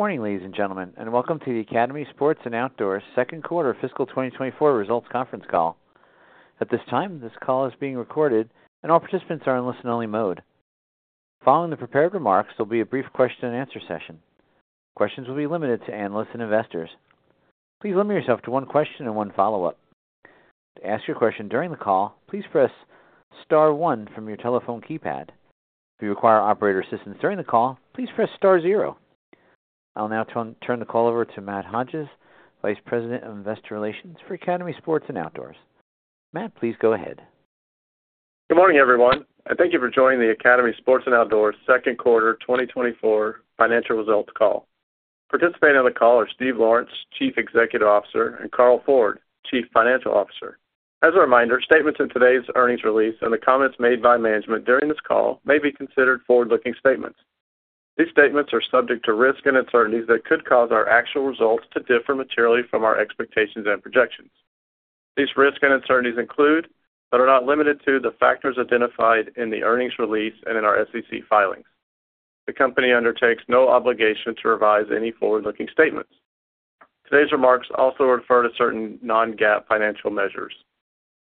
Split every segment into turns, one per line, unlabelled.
Good morning, ladies and gentlemen, and welcome to the Academy Sports and Outdoors Second Quarter Fiscal 2024 Results Conference Call. At this time, this call is being recorded and all participants are in listen-only mode. Following the prepared remarks, there'll be a brief question and answer session. Questions will be limited to analysts and investors. Please limit yourself to one question and one follow-up. To ask your question during the call, please press star one from your telephone keypad. If you require operator assistance during the call, please press star zero. I'll now turn the call over to Matt Hodges, Vice President of Investor Relations for Academy Sports and Outdoors. Matt, please go ahead.
Good morning, everyone, and thank you for joining the Academy Sports and Outdoors Second Quarter 2024 Financial Results Call. Participating on the call are Steve Lawrence, Chief Executive Officer, and Carl Ford, Chief Financial Officer. As a reminder, statements in today's earnings release and the comments made by management during this call may be considered forward-looking statements. These statements are subject to risks and uncertainties that could cause our actual results to differ materially from our expectations and projections. These risks and uncertainties include, but are not limited to, the factors identified in the earnings release and in our SEC filings. The company undertakes no obligation to revise any forward-looking statements. Today's remarks also refer to certain non-GAAP financial measures.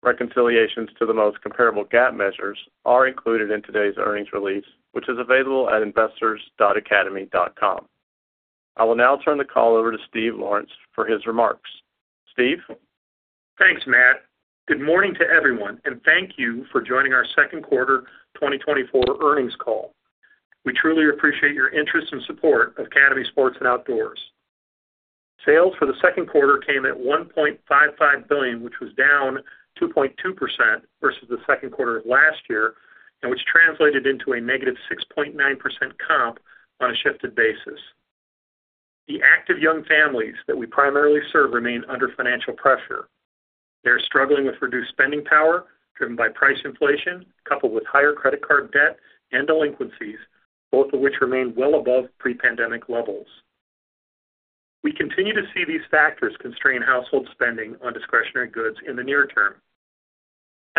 Reconciliations to the most comparable GAAP measures are included in today's earnings release, which is available at investors.academy.com. I will now turn the call over to Steve Lawrence for his remarks. Steve?
Thanks, Matt. Good morning to everyone, and thank you for joining our Second Quarter 2024 Earnings Call. We truly appreciate your interest and support of Academy Sports and Outdoors. Sales for the second quarter came at $1.55 billion, which was down 2.2% versus the second quarter of last year, and which translated into a negative 6.9% comp on a shifted basis. The active young families that we primarily serve remain under financial pressure. They're struggling with reduced spending power, driven by price inflation, coupled with higher credit card debt and delinquencies, both of which remain well above pre-pandemic levels. We continue to see these factors constrain household spending on discretionary goods in the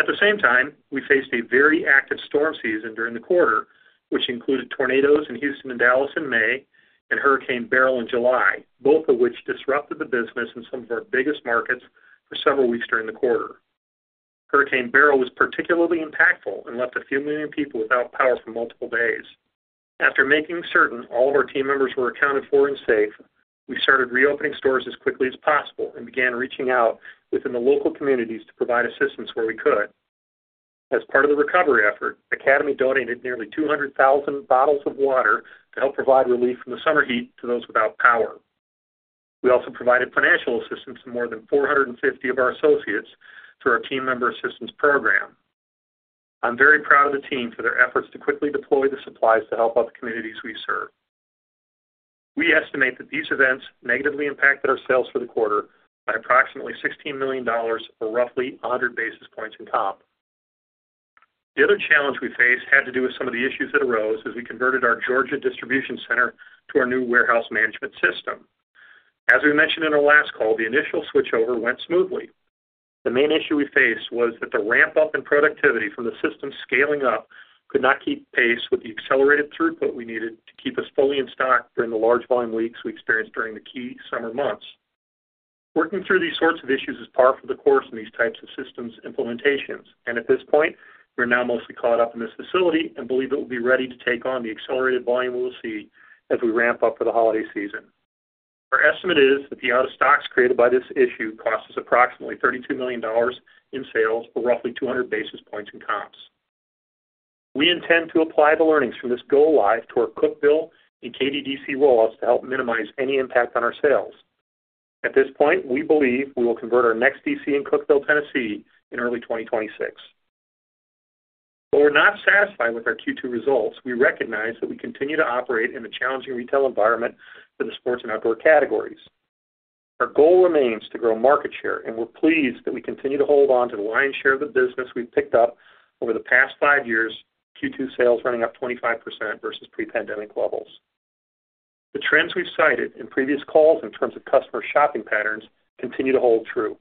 near term. At the same time, we faced a very active storm season during the quarter, which included tornadoes in Houston and Dallas in May and Hurricane Beryl in July, both of which disrupted the business in some of our biggest markets for several weeks during the quarter. Hurricane Beryl was particularly impactful and left a few million people without power for multiple days. After making certain all of our team members were accounted for and safe, we started reopening stores as quickly as possible and began reaching out within the local communities to provide assistance where we could. As part of the recovery effort, Academy donated nearly 200,000 bottles of water to help provide relief from the summer heat to those without power. We also provided financial assistance to more than 450 of our associates through our Team Member Assistance Program. I'm very proud of the team for their efforts to quickly deploy the supplies to help out the communities we serve. We estimate that these events negatively impacted our sales for the quarter by approximately $16 million, or roughly 100 basis points in comp. The other challenge we faced had to do with some of the issues that arose as we converted our Georgia distribution center to our new warehouse management system. As we mentioned in our last call, the initial switchover went smoothly. The main issue we faced was that the ramp-up in productivity from the system scaling up could not keep pace with the accelerated throughput we needed to keep us fully in stock during the large volume weeks we experienced during the key summer months. Working through these sorts of issues is par for the course in these types of systems implementations, and at this point, we're now mostly caught up in this facility and believe it will be ready to take on the accelerated volume we will see as we ramp up for the holiday season. Our estimate is that the out-of-stocks created by this issue cost us approximately $32 million in sales or roughly 200 basis points in comps. We intend to apply the learnings from this go live to our Cookeville and KDDC rollouts to help minimize any impact on our sales. At this point, we believe we will convert our next DC in Cookeville, Tennessee, in early 2026. Though we're not satisfied with our Q2 results, we recognize that we continue to operate in a challenging retail environment for the sports and outdoor categories. Our goal remains to grow market share, and we're pleased that we continue to hold on to the lion's share of the business we've picked up over the past five years, Q2 sales running up 25% versus pre-pandemic levels. The trends we've cited in previous calls in terms of customer shopping patterns continue to hold true.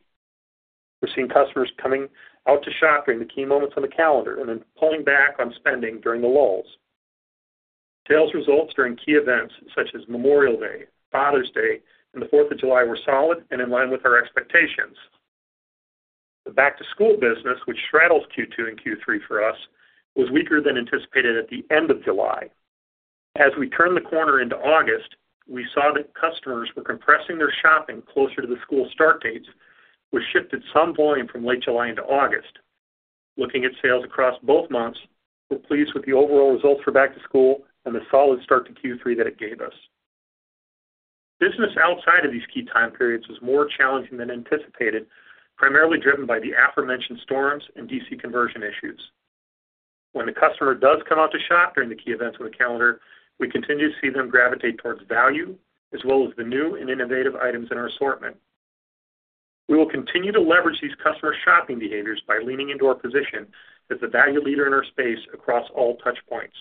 We're seeing customers coming out to shop during the key moments on the calendar and then pulling back on spending during the lulls. Sales results during key events such as Memorial Day, Father's Day, and the Fourth of July were solid and in line with our expectations. The back-to-school business, which straddles Q2 and Q3 for us, was weaker than anticipated at the end of July. As we turned the corner into August, we saw that customers were compressing their shopping closer to the school start dates, which shifted some volume from late July into August. Looking at sales across both months, we're pleased with the overall results for back to school and the solid start to Q3 that it gave us. Business outside of these key time periods was more challenging than anticipated, primarily driven by the aforementioned storms and DC conversion issues. When the customer does come out to shop during the key events on the calendar, we continue to see them gravitate towards value, as well as the new and innovative items in our assortment. We will continue to leverage these customer shopping behaviors by leaning into our position as a value leader in our space across all touch points.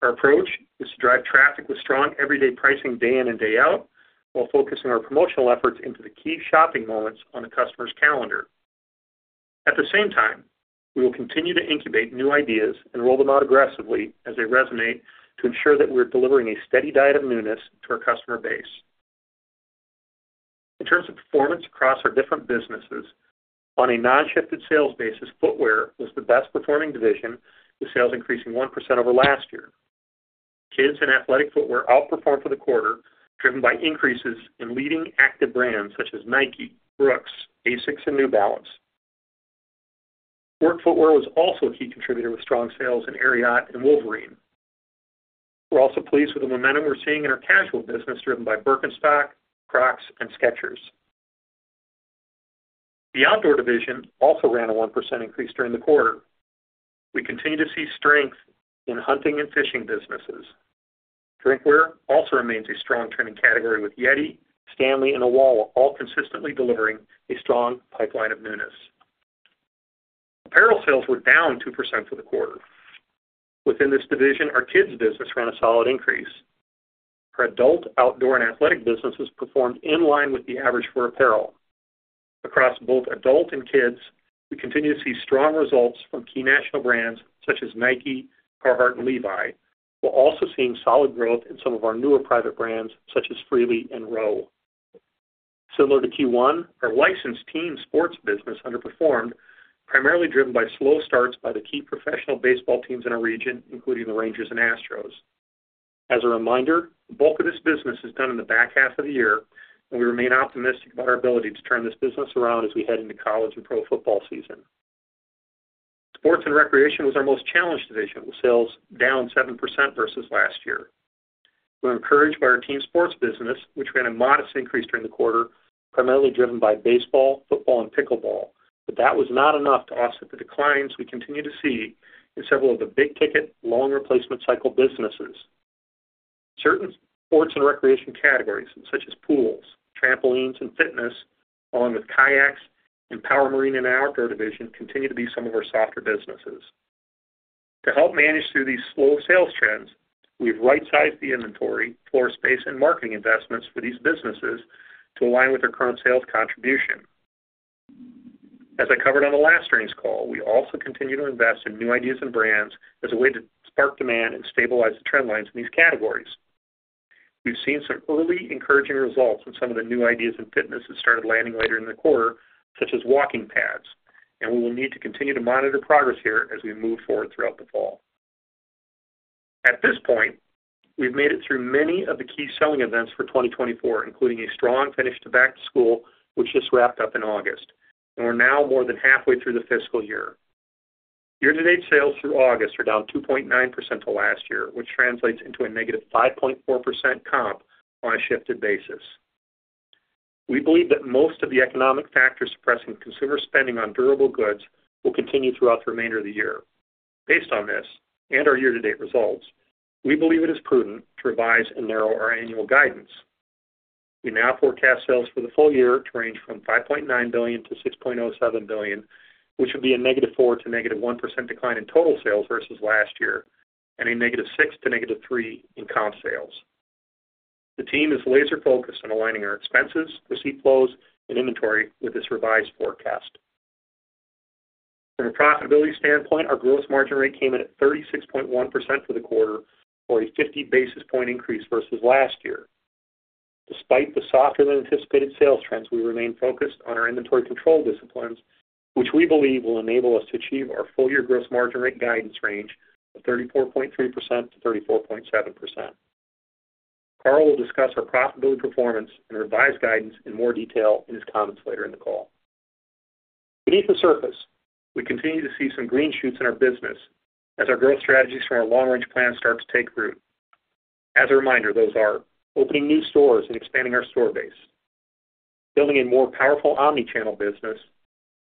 Our approach is to drive traffic with strong everyday pricing day in and day out, while focusing our promotional efforts into the key shopping moments on the customer's calendar. At the same time, we will continue to incubate new ideas and roll them out aggressively as they resonate to ensure that we're delivering a steady diet of newness to our customer base. In terms of performance across our different businesses, on a non-shifted sales basis, footwear was the best performing division, with sales increasing 1% over last year. Kids and athletic footwear outperformed for the quarter, driven by increases in leading active brands such as Nike, Brooks, ASICS, and New Balance. Work footwear was also a key contributor, with strong sales in Ariat and Wolverine. We're also pleased with the momentum we're seeing in our casual business, driven by Birkenstock, Crocs, and Skechers. The outdoor division also ran a 1% increase during the quarter. We continue to see strength in hunting and fishing businesses. Drinkware also remains a strong trending category, with Yeti, Stanley, and Owala all consistently delivering a strong pipeline of newness. Apparel sales were down 2% for the quarter. Within this division, our kids business ran a solid increase. Our adult, outdoor, and athletic businesses performed in line with the average for apparel. Across both adult and kids, we continue to see strong results from key national brands such as Nike, Carhartt, and Levi's, while also seeing solid growth in some of our newer private brands, such as Freely and R.O.W. Similar to Q1, our licensed team sports business underperformed, primarily driven by slow starts by the key professional baseball teams in our region, including the Rangers and Astros. As a reminder, the bulk of this business is done in the back half of the year, and we remain optimistic about our ability to turn this business around as we head into college and pro football season. Sports and recreation was our most challenged division, with sales down 7% versus last year. We're encouraged by our team sports business, which ran a modest increase during the quarter, primarily driven by baseball, football, and pickleball, but that was not enough to offset the declines we continue to see in several of the big-ticket, long replacement cycle businesses. Certain sports and recreation categories, such as pools, trampolines, and fitness, along with kayaks and power marine in our outdoor division, continue to be some of our softer businesses. To help manage through these slow sales trends, we've right-sized the inventory, floor space, and marketing investments for these businesses to align with their current sales contribution. As I covered on the last earnings call, we also continue to invest in new ideas and brands as a way to spark demand and stabilize the trend lines in these categories. We've seen some early encouraging results with some of the new ideas in fitness that started landing later in the quarter, such as walking pads, and we will need to continue to monitor progress here as we move forward throughout the fall. At this point, we've made it through many of the key selling events for 2024, including a strong finish to back-to-school, which just wrapped up in August, and we're now more than halfway through the fiscal year. Year-to-date sales through August are down 2.9% to last year, which translates into a -5.4% comp on a shifted basis. We believe that most of the economic factors suppressing consumer spending on durable goods will continue throughout the remainder of the year. Based on this, and our year-to-date results, we believe it is prudent to revise and narrow our annual guidance. We now forecast sales for the full year to range from $5.9 billion-$6.07 billion, which would be a -4%--1% decline in total sales versus last year, and a -6%--3% in comp sales. The team is laser focused on aligning our expenses, receipt flows, and inventory with this revised forecast. From a profitability standpoint, our gross margin rate came in at 36.1% for the quarter, or a 50 basis points increase versus last year. Despite the softer-than-anticipated sales trends, we remain focused on our inventory control disciplines, which we believe will enable us to achieve our full-year gross margin rate guidance range of 34.3%-34.7%. Carl will discuss our profitability, performance, and revised guidance in more detail in his comments later in the call. Beneath the surface, we continue to see some green shoots in our business as our growth strategies from our long-range plan start to take root. As a reminder, those are: opening new stores and expanding our store base, building a more powerful omni-channel business,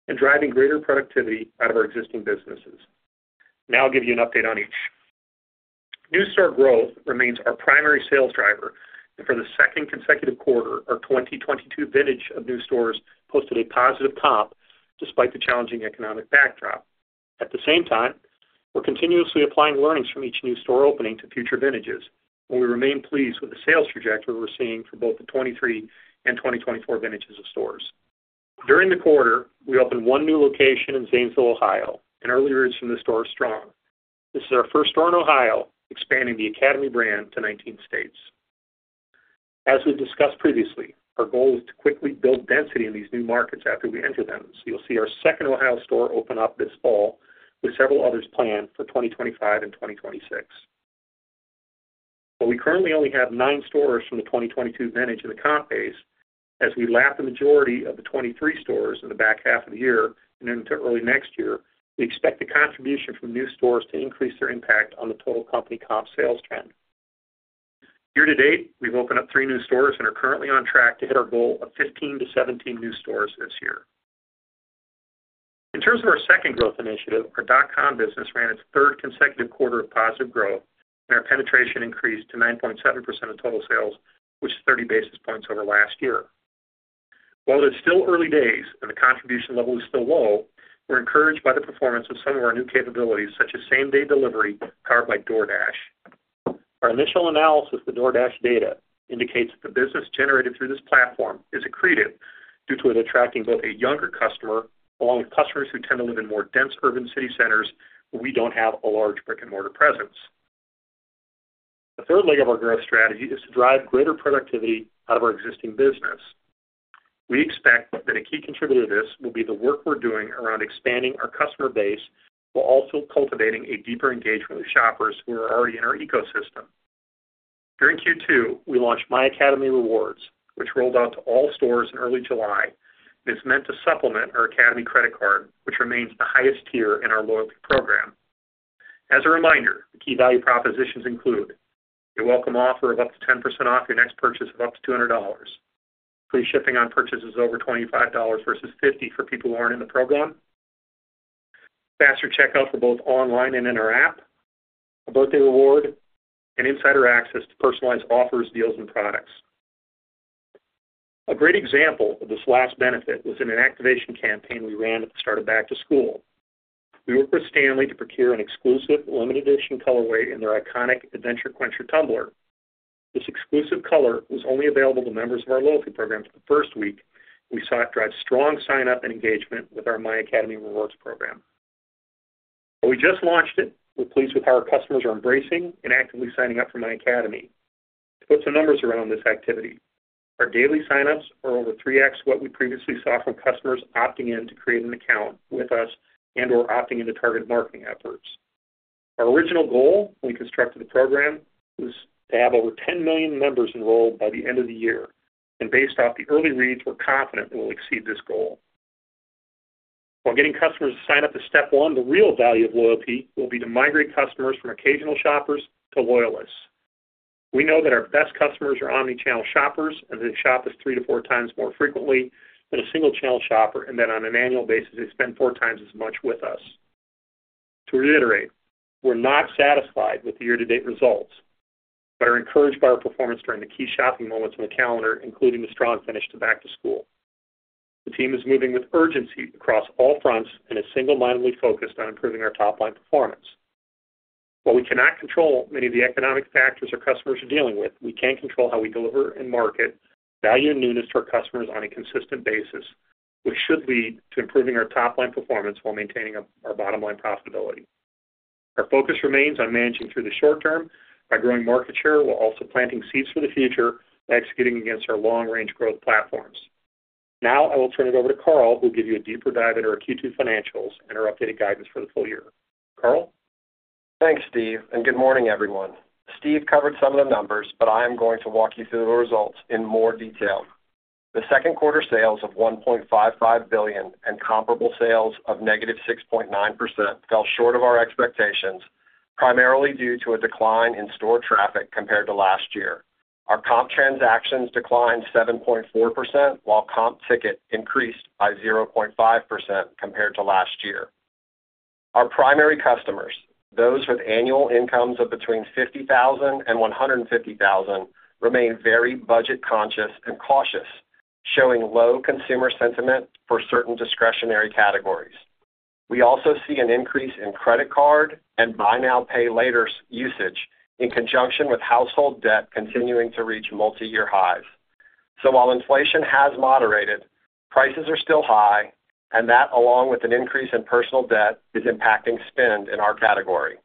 and driving greater productivity out of our existing businesses. Now I'll give you an update on each. New store growth remains our primary sales driver, and for the second consecutive quarter, our 2022 vintage of new stores posted a positive comp despite the challenging economic backdrop. At the same time, we're continuously applying learnings from each new store opening to future vintages, and we remain pleased with the sales trajectory we're seeing for both the 2023 and 2024 vintages of stores. During the quarter, we opened one new location in Zanesville, Ohio, and early sales from the store are strong. This is our first store in Ohio, expanding the Academy brand to nineteen states. As we've discussed previously, our goal is to quickly build density in these new markets after we enter them, so you'll see our second Ohio store open up this fall, with several others planned for 2025 and 2026. While we currently only have nine stores from the 2022 vintage in the comp base, as we lap the majority of the 2023 stores in the back half of the year and into early next year, we expect the contribution from new stores to increase their impact on the total company comp sales trend. Year-to-date, we've opened up three new stores and are currently on track to hit our goal of 15-17 new stores this year. In terms of our second growth initiative, our Dot-Com business ran its third consecutive quarter of positive growth, and our penetration increased to 9.7% of total sales, which is 30 basis points over last year. While it's still early days and the contribution level is still low, we're encouraged by the performance of some of our new capabilities, such as same-day delivery powered by DoorDash. Our initial analysis of the DoorDash data indicates that the business generated through this platform is accretive due to it attracting both a younger customer, along with customers who tend to live in more dense urban city centers, where we don't have a large brick-and-mortar presence. The third leg of our growth strategy is to drive greater productivity out of our existing business. We expect that a key contributor to this will be the work we're doing around expanding our customer base, while also cultivating a deeper engagement with shoppers who are already in our ecosystem. During Q2, we launched myAcademy Rewards, which rolled out to all stores in early July, and is meant to supplement our Academy Credit Card, which remains the highest tier in our loyalty program. As a reminder, the key value propositions include a welcome offer of up to 10% off your next purchase of up to $200, free shipping on purchases over $25 versus $50 for people who aren't in the program, faster checkout for both online and in our app, a birthday reward, and insider access to personalized offers, deals, and products. A great example of this last benefit was in an activation campaign we ran at the start of back to school. We worked with Stanley to procure an exclusive limited edition colorway in their iconic Adventure Quencher tumbler. This exclusive color was only available to members of our loyalty program for the first week. We saw it drive strong sign-up and engagement with our myAcademy Rewards program. While we just launched it, we're pleased with how our customers are embracing and actively signing up for myAcademy. To put some numbers around this activity, our daily sign-ups are over three x what we previously saw from customers opting in to create an account with us and/or opting into targeted marketing efforts. Our original goal when we constructed the program was to have over 10 million members enrolled by the end of the year, and based off the early reads, we're confident we'll exceed this goal. While getting customers to sign up is step one, the real value of loyalty will be to migrate customers from occasional shoppers to loyalists. We know that our best customers are omni-channel shoppers, and they shop us 3-4x more frequently than a single channel shopper, and then on an annual basis, they spend four times as much with us. To reiterate, we're not satisfied with the year-to-date results, but are encouraged by our performance during the key shopping moments in the calendar, including the strong finish to back to school. The team is moving with urgency across all fronts and is single-mindedly focused on improving our top line performance. While we cannot control many of the economic factors our customers are dealing with, we can control how we deliver and market value and newness to our customers on a consistent basis, which should lead to improving our top line performance while maintaining our bottom line profitability. Our focus remains on managing through the short term by growing market share, while also planting seeds for the future by executing against our long-range growth platforms. Now I will turn it over to Carl, who will give you a deeper dive into our Q2 financials and our updated guidance for the full year. Carl?
Thanks, Steve, and good morning, everyone. Steve covered some of the numbers, but I am going to walk you through the results in more detail. The second quarter sales of $1.55 billion and comparable sales of -6.9% fell short of our expectations, primarily due to a decline in store traffic compared to last year. Our comp transactions declined 7.4%, while comp ticket increased by 0.5% compared to last year. Our primary customers, those with annual incomes of between $50,000 and $150,000, remain very budget conscious and cautious, showing low consumer sentiment for certain discretionary categories. We also see an increase in credit card and Buy Now, Pay Laters usage in conjunction with household debt continuing to reach multiyear highs. While inflation has moderated, prices are still high, and that, along with an increase in personal debt, is impacting spend in our category.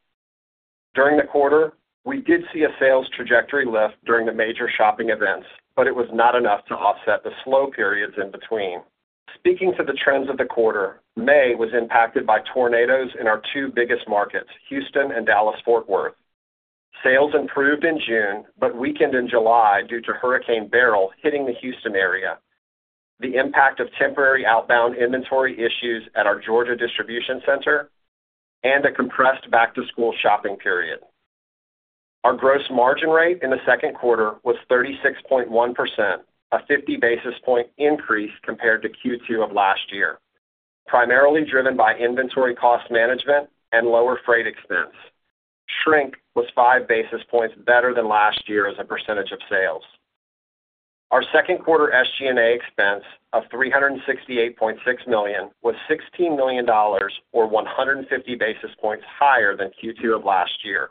During the quarter, we did see a sales trajectory lift during the major shopping events, but it was not enough to offset the slow periods in between. Speaking to the trends of the quarter, May was impacted by tornadoes in our two biggest markets, Houston and Dallas-Fort Worth. Sales improved in June, but weakened in July due to Hurricane Beryl hitting the Houston area, the impact of temporary outbound inventory issues at our Georgia distribution center, and a compressed back-to-school shopping period. Our gross margin rate in the second quarter was 36.1%, a 50 basis point increase compared to Q2 of last year, primarily driven by inventory cost management and lower freight expense. Shrink was five basis points better than last year as a percentage of sales. Our second quarter SG&A expense of $368.6 million was $16 million or 150 basis points higher than Q2 of last year.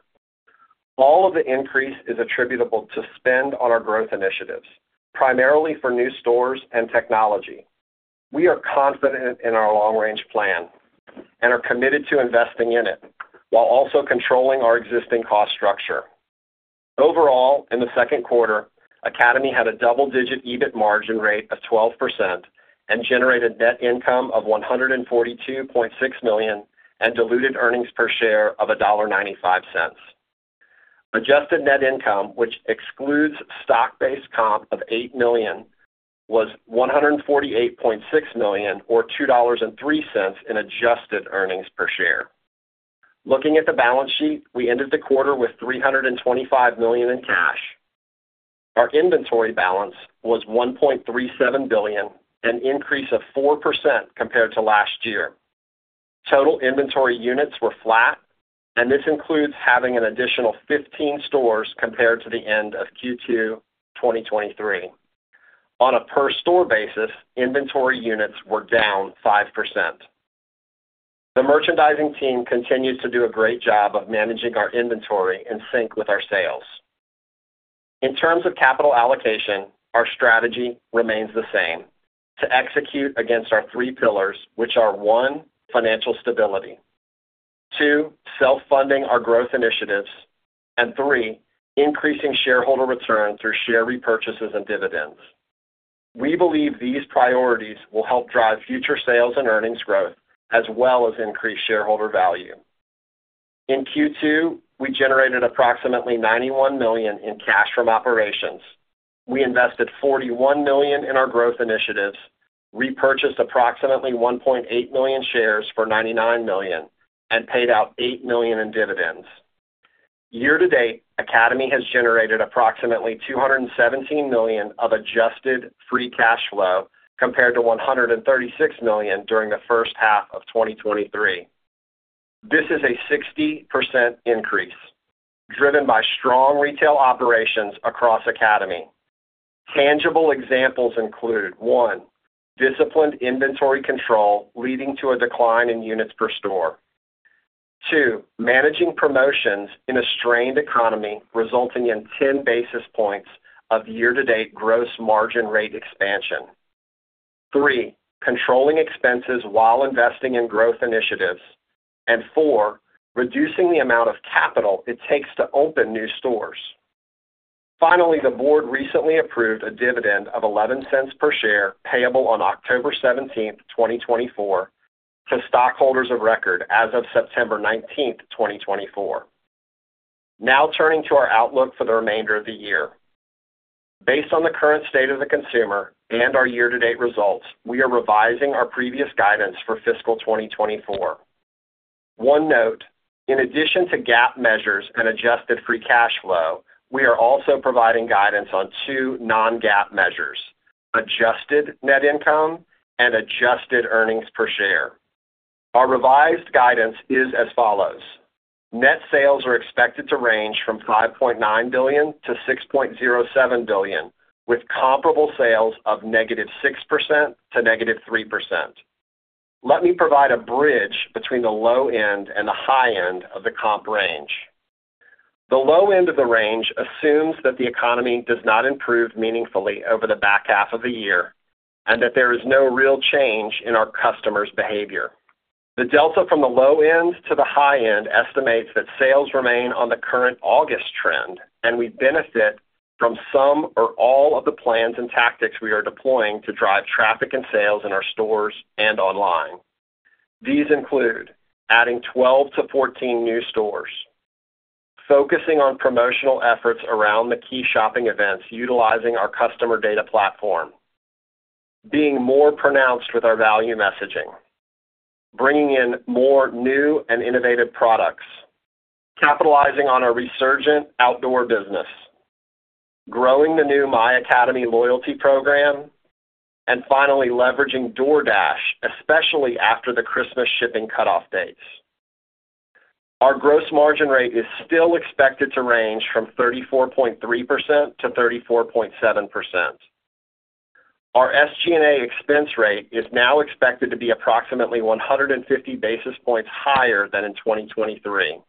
All of the increase is attributable to spend on our growth initiatives, primarily for new stores and technology. We are confident in our long-range plan and are committed to investing in it while also controlling our existing cost structure. Overall, in the second quarter, Academy had a double-digit EBIT margin rate of 12% and generated net income of $142.6 million and diluted earnings per share of $1.95. Adjusted net income, which excludes stock-based comp of $8 million, was $148.6 million, or $2.03 in adjusted earnings per share. Looking at the balance sheet, we ended the quarter with $325 million in cash. Our inventory balance was $1.37 billion, an increase of 4% compared to last year. Total inventory units were flat, and this includes having an additional 15 stores compared to the end of Q2 2023. On a per store basis, inventory units were down 5%. The merchandising team continues to do a great job of managing our inventory in sync with our sales. In terms of capital allocation, our strategy remains the same, to execute against our three pillars, which are, one, financial stability. Two, self-funding our growth initiatives, and three, increasing shareholder returns through share repurchases and dividends. We believe these priorities will help drive future sales and earnings growth, as well as increase shareholder value. In Q2, we generated approximately $91 million in cash from operations. We invested $41 million in our growth initiatives, repurchased approximately 1.8 million shares for $99 million, and paid out $8 million in dividends. Year-to-date, Academy has generated approximately $217 million of adjusted free cash flow, compared to $136 million during the first half of 2023. This is a 60% increase, driven by strong retail operations across Academy. Tangible examples include, one, disciplined inventory control, leading to a decline in units per store. Two, managing promotions in a strained economy, resulting in ten basis points of year-to-date gross margin rate expansion. Three, controlling expenses while investing in growth initiatives. And four, reducing the amount of capital it takes to open new stores. Finally, the board recently approved a dividend of eleven cents per share, payable on October seventeenth, 2024, to stockholders of record as of September 19th, 2024. Now, turning to our outlook for the remainder of the year. Based on the current state of the consumer and our year-to-date results, we are revising our previous guidance for fiscal 2024. One note, in addition to GAAP measures and adjusted free cash flow, we are also providing guidance on two non-GAAP measures: adjusted net income and adjusted earnings per share. Our revised guidance is as follows: Net sales are expected to range from $5.9 billion-$6.07 billion, with comparable sales of negative 6%--3%. Let me provide a bridge between the low end and the high end of the comp range. The low end of the range assumes that the economy does not improve meaningfully over the back half of the year, and that there is no real change in our customers' behavior. The delta from the low end to the high end estimates that sales remain on the current August trend, and we benefit from some or all of the plans and tactics we are deploying to drive traffic and sales in our stores and online. These include adding 12-14 new stores, focusing on promotional efforts around the key shopping events, utilizing our customer data platform, being more pronounced with our value messaging, bringing in more new and innovative products, capitalizing on our resurgent outdoor business, growing the new myAcademy loyalty program, and finally, leveraging DoorDash, especially after the Christmas shipping cutoff dates. Our gross margin rate is still expected to range from 34.3%-34.7%. Our SG&A expense rate is now expected to be approximately 150 basis points higher than in 2023.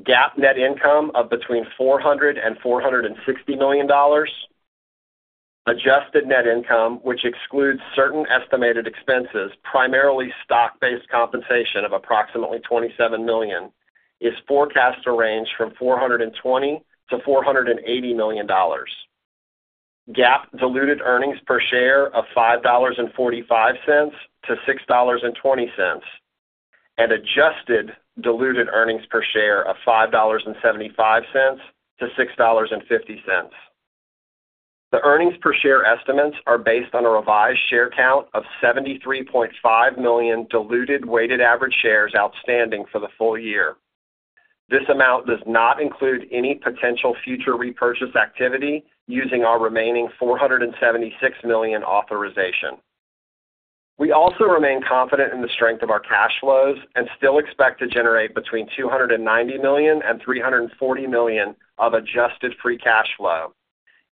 GAAP net income of between $400 million and $460 million. Adjusted net income, which excludes certain estimated expenses, primarily stock-based compensation of approximately $27 million, is forecast to range from $420 million-$480 million. GAAP diluted earnings per share of $5.45-$6.20, and adjusted diluted earnings per share of $5.75-$6.50. The earnings per share estimates are based on a revised share count of 73.5 million diluted weighted average shares outstanding for the full year. This amount does not include any potential future repurchase activity using our remaining $476 million authorization. We also remain confident in the strength of our cash flows and still expect to generate between $290 million and $340 million of adjusted free cash flow,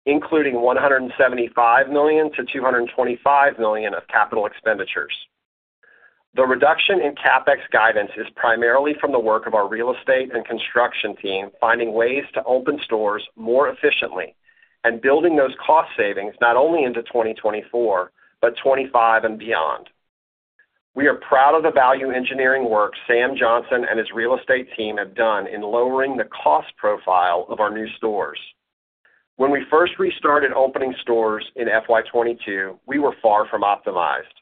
including $175 million-$225 million of capital expenditures. The reduction in CapEx guidance is primarily from the work of our real estate and construction team, finding ways to open stores more efficiently and building those cost savings not only into 2024, but 2025 and beyond. We are proud of the value engineering work Sam Johnson and his real estate team have done in lowering the cost profile of our new stores. When we first restarted opening stores in FY 2022, we were far from optimized.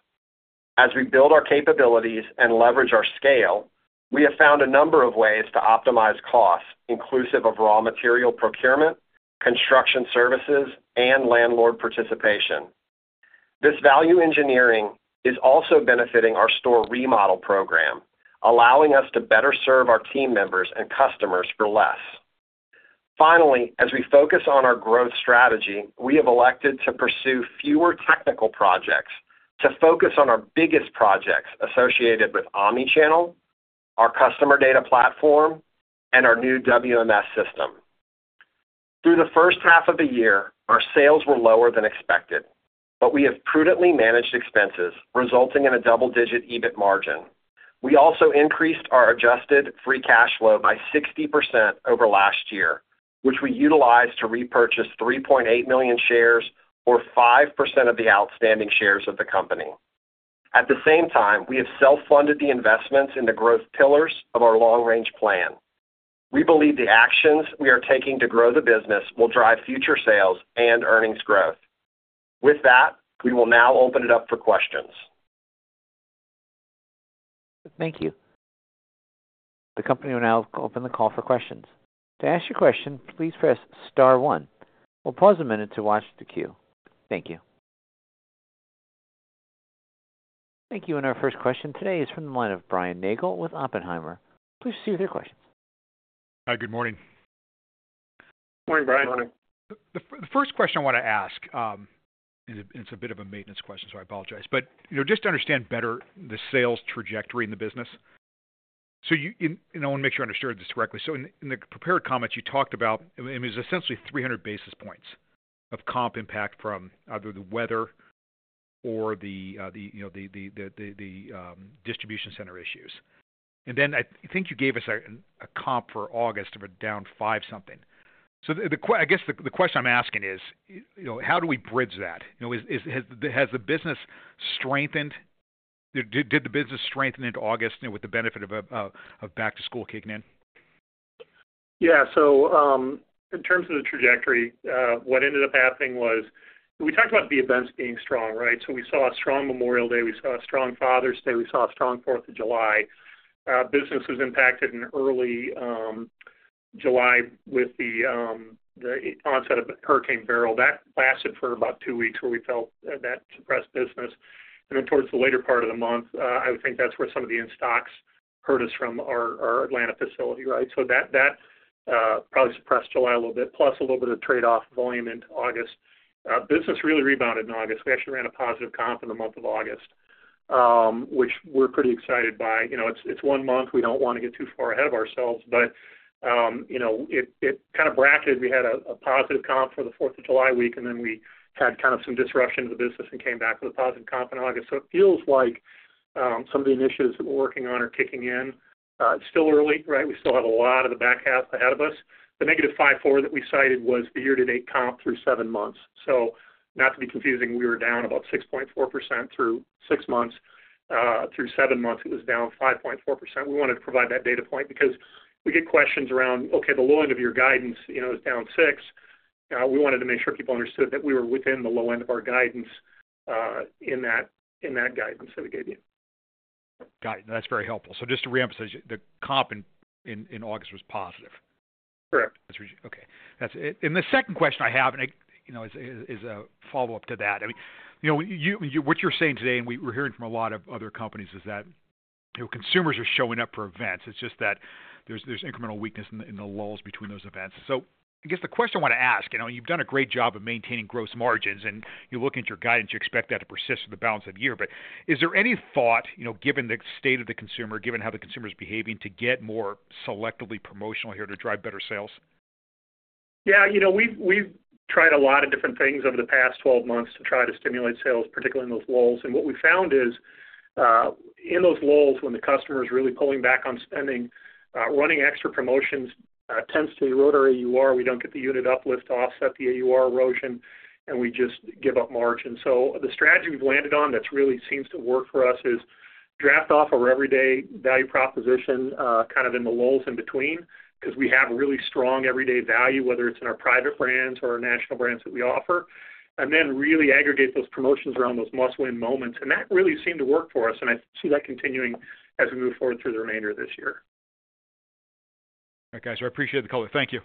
As we build our capabilities and leverage our scale, we have found a number of ways to optimize costs, inclusive of raw material procurement, construction services, and landlord participation. This value engineering is also benefiting our store remodel program, allowing us to better serve our team members and customers for less. Finally, as we focus on our growth strategy, we have elected to pursue fewer technical projects to focus on our biggest projects associated with omni-channel, our customer data platform, and our new WMS system. ...Through the first half of the year, our sales were lower than expected, but we have prudently managed expenses, resulting in a double-digit EBIT margin. We also increased our adjusted free cash flow by 60% over last year, which we utilized to repurchase 3.8 million shares, or 5% of the outstanding shares of the company. At the same time, we have self-funded the investments in the growth pillars of our long-range plan. We believe the actions we are taking to grow the business will drive future sales and earnings growth. With that, we will now open it up for questions.
Thank you. The company will now open the call for questions. To ask your question, please press star one. We'll pause a minute to watch the queue. Thank you. Thank you. And our first question today is from the line of Brian Nagel with Oppenheimer. Please state your question.
Hi, good morning.
Good morning, Brian.
The first question I want to ask, it's a bit of a maintenance question, so I apologize. But, you know, just to understand better the sales trajectory in the business. So you and I want to make sure I understood this correctly. So in the prepared comments, you talked about, I mean, it's essentially 300 basis points of comp impact from either the weather or the distribution center issues. And then I think you gave us a comp for August of down 5%. So the question I'm asking is, you know, how do we bridge that? You know, is, has the business strengthened? Did the business strengthen into August with the benefit of back to school kicking in?
Yeah. So, in terms of the trajectory, what ended up happening was we talked about the events being strong, right? So we saw a strong Memorial Day, we saw a strong Father's Day, we saw a strong Fourth of July. Business was impacted in early July with the, the onset of Hurricane Beryl. That lasted for about two weeks, where we felt that suppressed business. And then towards the later part of the month, I would think that's where some of the in-stocks hurt us from our, our Atlanta facility, right? So that, that, probably suppressed July a little bit, plus a little bit of trade-off volume into August. Business really rebounded in August. We actually ran a positive comp in the month of August, which we're pretty excited by. You know, it's, it's one month. We don't want to get too far ahead of ourselves, but, you know, it kind of bracketed. We had a positive comp for the Fourth of July week, and then we had kind of some disruption to the business and came back with a positive comp in August. So it feels like, some of the initiatives that we're working on are kicking in. It's still early, right? We still have a lot of the back half ahead of us. The negative 5.4 that we cited was the year-to-date comp through seven months. So not to be confusing, we were down about 6.4% through six months. Through seven months, it was down 5.4%. We wanted to provide that data point because we get questions around, "Okay, the low end of your guidance, you know, is down six." We wanted to make sure people understood that we were within the low end of our guidance, in that guidance that we gave you.
Got it. That's very helpful. So just to reemphasize, the comp in August was positive?
Correct.
Okay, that's it. And the second question I have, and you know, is a follow-up to that. I mean, you know, what you're saying today, and we're hearing from a lot of other companies, is that, you know, consumers are showing up for events. It's just that there's incremental weakness in the lulls between those events. So I guess the question I want to ask, you know, you've done a great job of maintaining gross margins, and you look at your guidance, you expect that to persist for the balance of the year. But is there any thought, you know, given the state of the consumer, given how the consumer is behaving, to get more selectively promotional here to drive better sales?
Yeah, you know, we've tried a lot of different things over the past 12 months to try to stimulate sales, particularly in those lulls. And what we found is, in those lulls, when the customer is really pulling back on spending, running extra promotions tends to erode our AUR. We don't get the unit uplift to offset the AUR erosion, and we just give up margin. So the strategy we've landed on that's really seems to work for us is draft off our everyday value proposition, kind of in the lulls in between, because we have a really strong everyday value, whether it's in our private brands or our national brands that we offer, and then really aggregate those promotions around those must-win moments. That really seemed to work for us, and I see that continuing as we move forward through the remainder of this year.
Okay, so I appreciate the call. Thank you.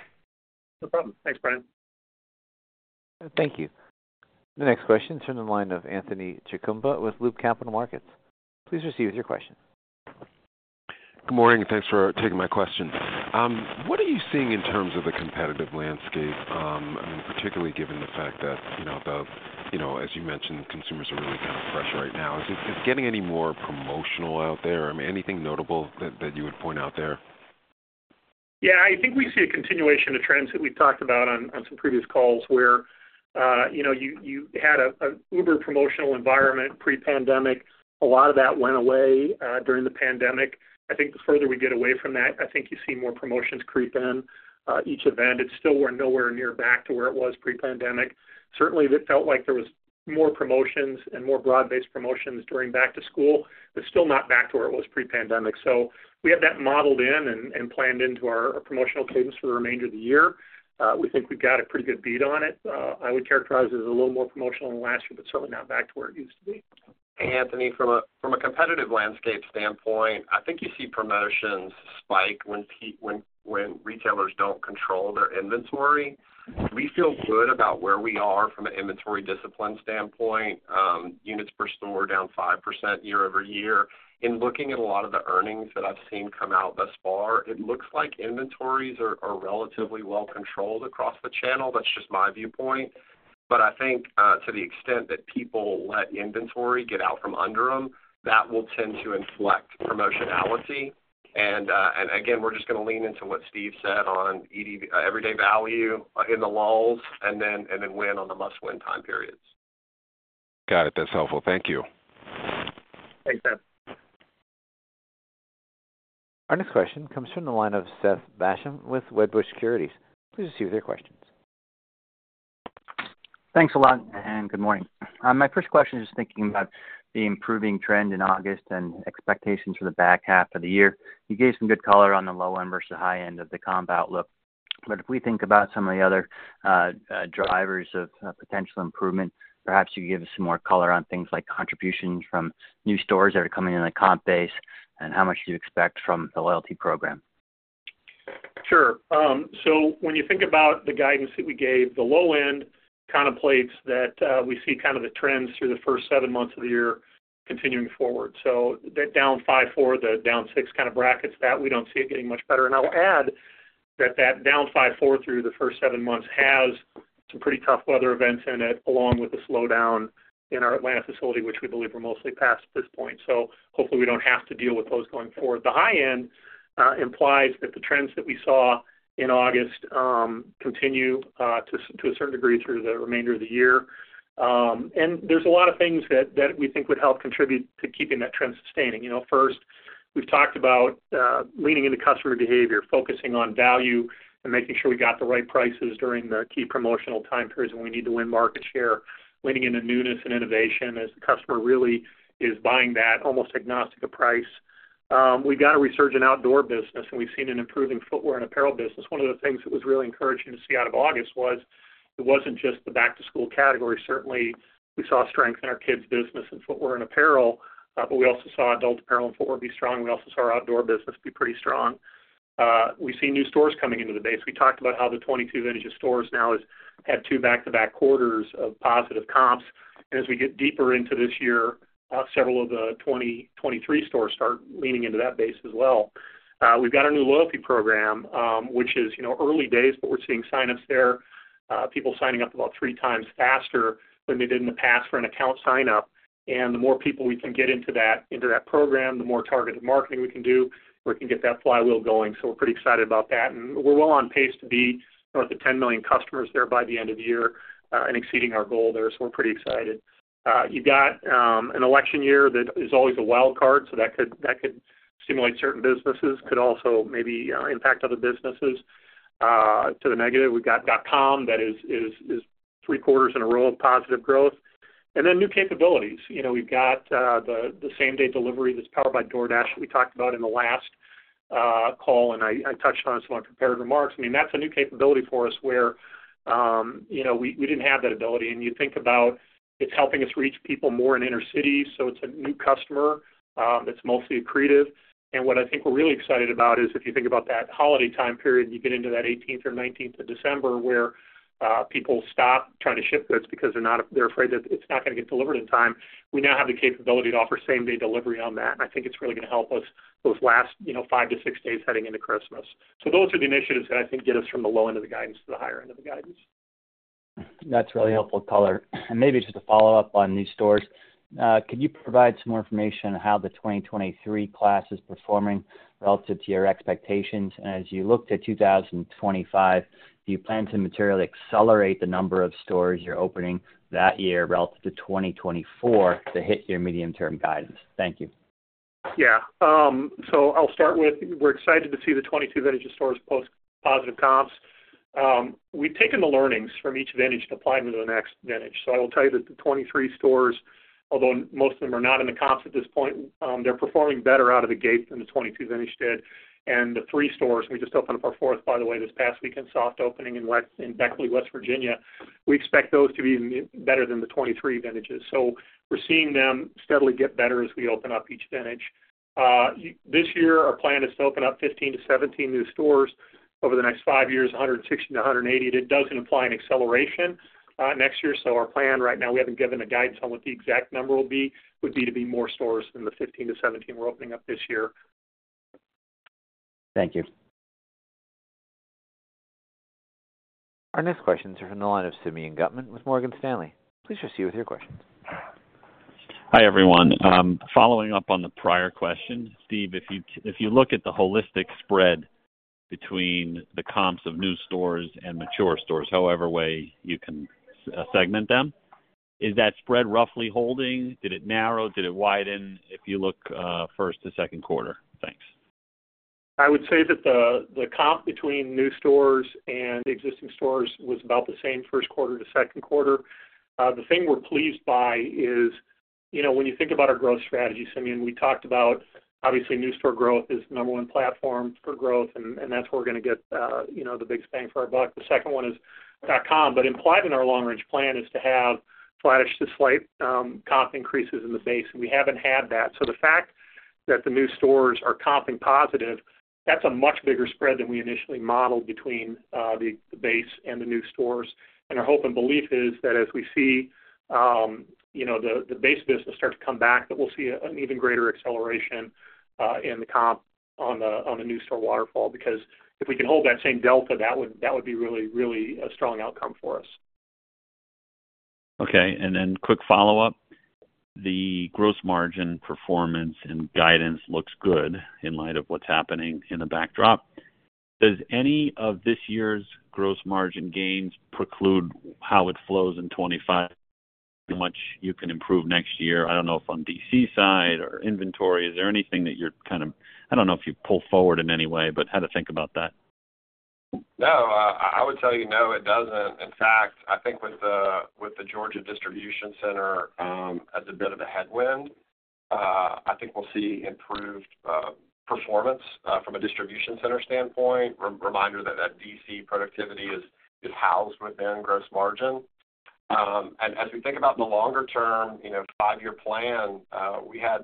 No problem. Thanks, Brian.
Thank you. The next question is from the line of Anthony Chukumba with Loop Capital Markets. Please proceed with your question.
Good morning, and thanks for taking my question. What are you seeing in terms of the competitive landscape? I mean, particularly given the fact that, you know, you know, as you mentioned, consumers are really kind of fresh right now. Is it getting any more promotional out there? I mean, anything notable that you would point out there?
Yeah, I think we see a continuation of trends that we've talked about on some previous calls where, you know, you had an uber promotional environment pre-pandemic. A lot of that went away during the pandemic. I think the further we get away from that, I think you see more promotions creep in each event. It's still, we're nowhere near back to where it was pre-pandemic. Certainly, it felt like there was more promotions and more broad-based promotions during back to school. But still not back to where it was pre-pandemic. So we have that modeled in and planned into our promotional cadence for the remainder of the year. We think we've got a pretty good bead on it. I would characterize it as a little more promotional than last year, but certainly not back to where it used to be.
Anthony, from a competitive landscape standpoint, I think you see promotions spike when retailers don't control their inventory. We feel good about where we are from an inventory discipline standpoint. Units per store down 5% year-over-year. In looking at a lot of the earnings that I've seen come out thus far, it looks like inventories are relatively well controlled across the channel. That's just my viewpoint. But I think, to the extent that people let inventory get out from under them, that will tend to inflect promotionality. And again, we're just going to lean into what Steve said on everyday value in the lulls, and then win on the must-win time periods.
Got it. That's helpful. Thank you.
Thanks.
Our next question comes from the line of Seth Basham with Wedbush Securities. Please proceed with your questions.
Thanks a lot, and good morning. My first question is thinking about the improving trend in August and expectations for the back half of the year. You gave some good color on the low end versus the high end of the comp outlook. But if we think about some of the other drivers of potential improvement, perhaps you could give us some more color on things like contributions from new stores that are coming in the comp base, and how much do you expect from the loyalty program?
Sure. So when you think about the guidance that we gave, the low end contemplates that we see kind of the trends through the first seven months of the year continuing forward, so that down 5.4%, the down 6% kind of brackets, that we don't see it getting much better. And I'll add that that down 5.4% through the first seven months has some pretty tough weather events in it, along with the slowdown in our Atlanta facility, which we believe are mostly past this point, so hopefully, we don't have to deal with those going forward. The high end implies that the trends that we saw in August continue to a certain degree through the remainder of the year, and there's a lot of things that we think would help contribute to keeping that trend sustaining. You know, first, we've talked about leaning into customer behavior, focusing on value, and making sure we got the right prices during the key promotional time periods when we need to win market share, leaning into newness and innovation as the customer really is buying that almost agnostic to price. We've got a resurgent outdoor business, and we've seen an improving footwear and apparel business. One of the things that was really encouraging to see out of August was it wasn't just the back-to-school category. Certainly, we saw strength in our kids' business in footwear and apparel, but we also saw adult apparel and footwear be strong. We also saw our outdoor business be pretty strong. We see new stores coming into the base. We talked about how the twenty-two vintage of stores now has had two back-to-back quarters of positive comps. And as we get deeper into this year, several of the 23 stores start leaning into that base as well. We've got a new loyalty program, which is, you know, early days, but we're seeing sign-ups there, people signing up about 3x faster than they did in the past for an account sign-up. And the more people we can get into that, into that program, the more targeted marketing we can do, we can get that flywheel going. So we're pretty excited about that, and we're well on pace to be close to 10 million customers there by the end of the year, and exceeding our goal there. So we're pretty excited. You've got an election year that is always a wild card, so that could stimulate certain businesses, could also maybe impact other businesses to the negative. We've got Dot-Com that is three quarters in a row of positive growth, and then new capabilities. You know, we've got the same-day delivery that's powered by DoorDash that we talked about in the last call, and I touched on it in some of my prepared remarks. I mean, that's a new capability for us where, you know, we didn't have that ability. And you think about it's helping us reach people more in inner cities, so it's a new customer that's mostly accretive. And what I think we're really excited about is if you think about that holiday time period, you get into that 18th or 19th of December, where people stop trying to ship goods because they're afraid that it's not going to get delivered in time. We now have the capability to offer same-day delivery on that, and I think it's really going to help us those last, you know, five to six days heading into Christmas. So those are the initiatives that I think get us from the low end of the guidance to the higher end of the guidance.
That's really helpful color. And maybe just a follow-up on new stores. Could you provide some more information on how the 2023 class is performing relative to your expectations? And as you look to 2025, do you plan to materially accelerate the number of stores you're opening that year relative to 2024 to hit your medium-term guidance? Thank you.
Yeah. So I'll start with, we're excited to see the 2022 vintage stores post positive comps. We've taken the learnings from each vintage and applied them to the next vintage. So I will tell you that the 2023 stores, although most of them are not in the comps at this point, they're performing better out of the gate than the 2022 vintage did. And the 2024 stores, we just opened up our 4th, by the way, this past week in soft opening in Beckley, West Virginia. We expect those to be even better than the 2023 vintages. So we're seeing them steadily get better as we open up each vintage. This year, our plan is to open up 15-17 new stores over the next five years, 160-180. That does imply an acceleration next year. So our plan right now, we haven't given a guidance on what the exact number will be, would be to be more stores than the 15-17 we're opening up this year.
Thank you.
Our next question is from the line of Simeon Gutman with Morgan Stanley. Please proceed with your questions.
Hi, everyone. Following up on the prior question, Steve, if you look at the holistic spread between the comps of new stores and mature stores, however way you can segment them, is that spread roughly holding? Did it narrow? Did it widen, if you look first to second quarter? Thanks.
I would say that the comp between new stores and the existing stores was about the same first quarter to second quarter. The thing we're pleased by is, you know, when you think about our growth strategy, Simeon, we talked about obviously new store growth is number one platform for growth, and that's where we're going to get, you know, the biggest bang for our buck. The second one is Dot-Com. But implied in our long-range plan is to have flat to slight, comp increases in the base, and we haven't had that. So the fact that the new stores are comping positive, that's a much bigger spread than we initially modeled between, the base and the new stores. Our hope and belief is that as we see you know the base business start to come back, that we'll see an even greater acceleration in the comp on the new store waterfall. Because if we can hold that same delta, that would be really, really a strong outcome for us....
Okay, and then quick follow-up. The gross margin performance and guidance looks good in light of what's happening in the backdrop. Does any of this year's gross margin gains preclude how it flows in 2025, how much you can improve next year? I don't know if on DC side or inventory, is there anything that you're kind of, I don't know if you pull forward in any way, but how to think about that?
No, I would tell you, no, it doesn't. In fact, I think with the, with the Georgia Distribution Center, as a bit of a headwind, I think we'll see improved, performance, from a distribution center standpoint. Reminder that that DC productivity is housed within gross margin. And as we think about the longer term, you know, five-year plan, we had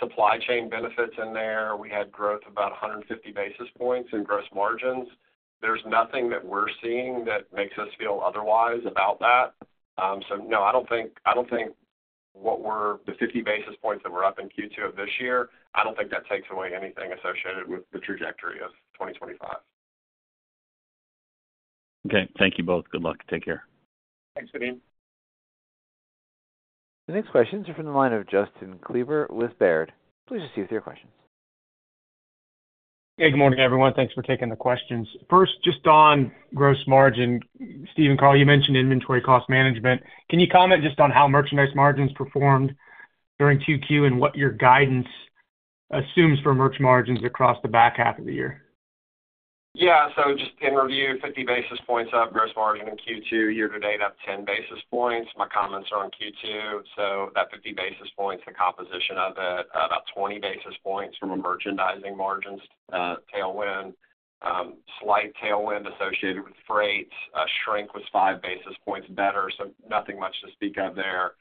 supply chain benefits in there. We had growth about 150 basis points in gross margins. There's nothing that we're seeing that makes us feel otherwise about that. So no, I don't think, I don't think whatever the fifty basis points that were up in Q2 of this year, I don't think that takes away anything associated with the trajectory of 2025.
Okay. Thank you both. Good luck. Take care.
Thanks, Simeon.
The next question is from the line of Justin Kleber with Baird. Please proceed with your question.
Hey, good morning, everyone. Thanks for taking the questions. First, just on gross margin, Steve and Carl, you mentioned inventory cost management. Can you comment just on how merchandise margins performed during Q2 and what your guidance assumes for merch margins across the back half of the year?
Yeah, so just in review, 50 basis points up, gross margin in Q2, year-to-date, up 10 basis points. My comments are on Q2, so that 50 basis points, the composition of it, about 20 basis points from a merchandising margins tailwind, slight tailwind associated with freight. Shrink was 5 basis points better, so nothing much to speak of there.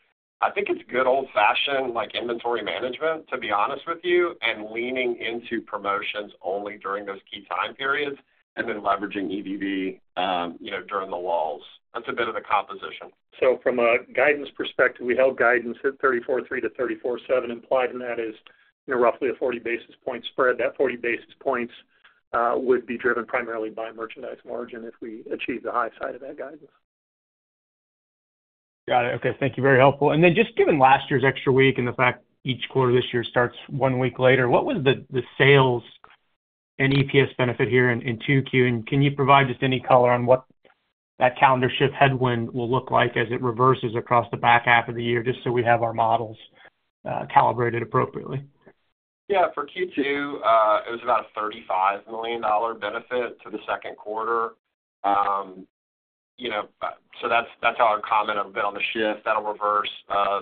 I think it's good old-fashioned, like, inventory management, to be honest with you, and leaning into promotions only during those key time periods and then leveraging EDV, you know, during the walls. That's a bit of the composition.
From a guidance perspective, we held guidance at $3.43-$3.47. Implied in that is, you know, roughly a 40 basis point spread. That 40 basis points would be driven primarily by merchandise margin if we achieve the high side of that guidance.
Got it. Okay, thank you. Very helpful. And then just given last year's extra week and the fact each quarter this year starts one week later, what was the sales and EPS benefit here in 2Q? And can you provide just any color on what that calendar shift headwind will look like as it reverses across the back half of the year, just so we have our models calibrated appropriately?
Yeah, for Q2, it was about a $35 million benefit to the second quarter. You know, so that's how I comment a bit on the shift. That'll reverse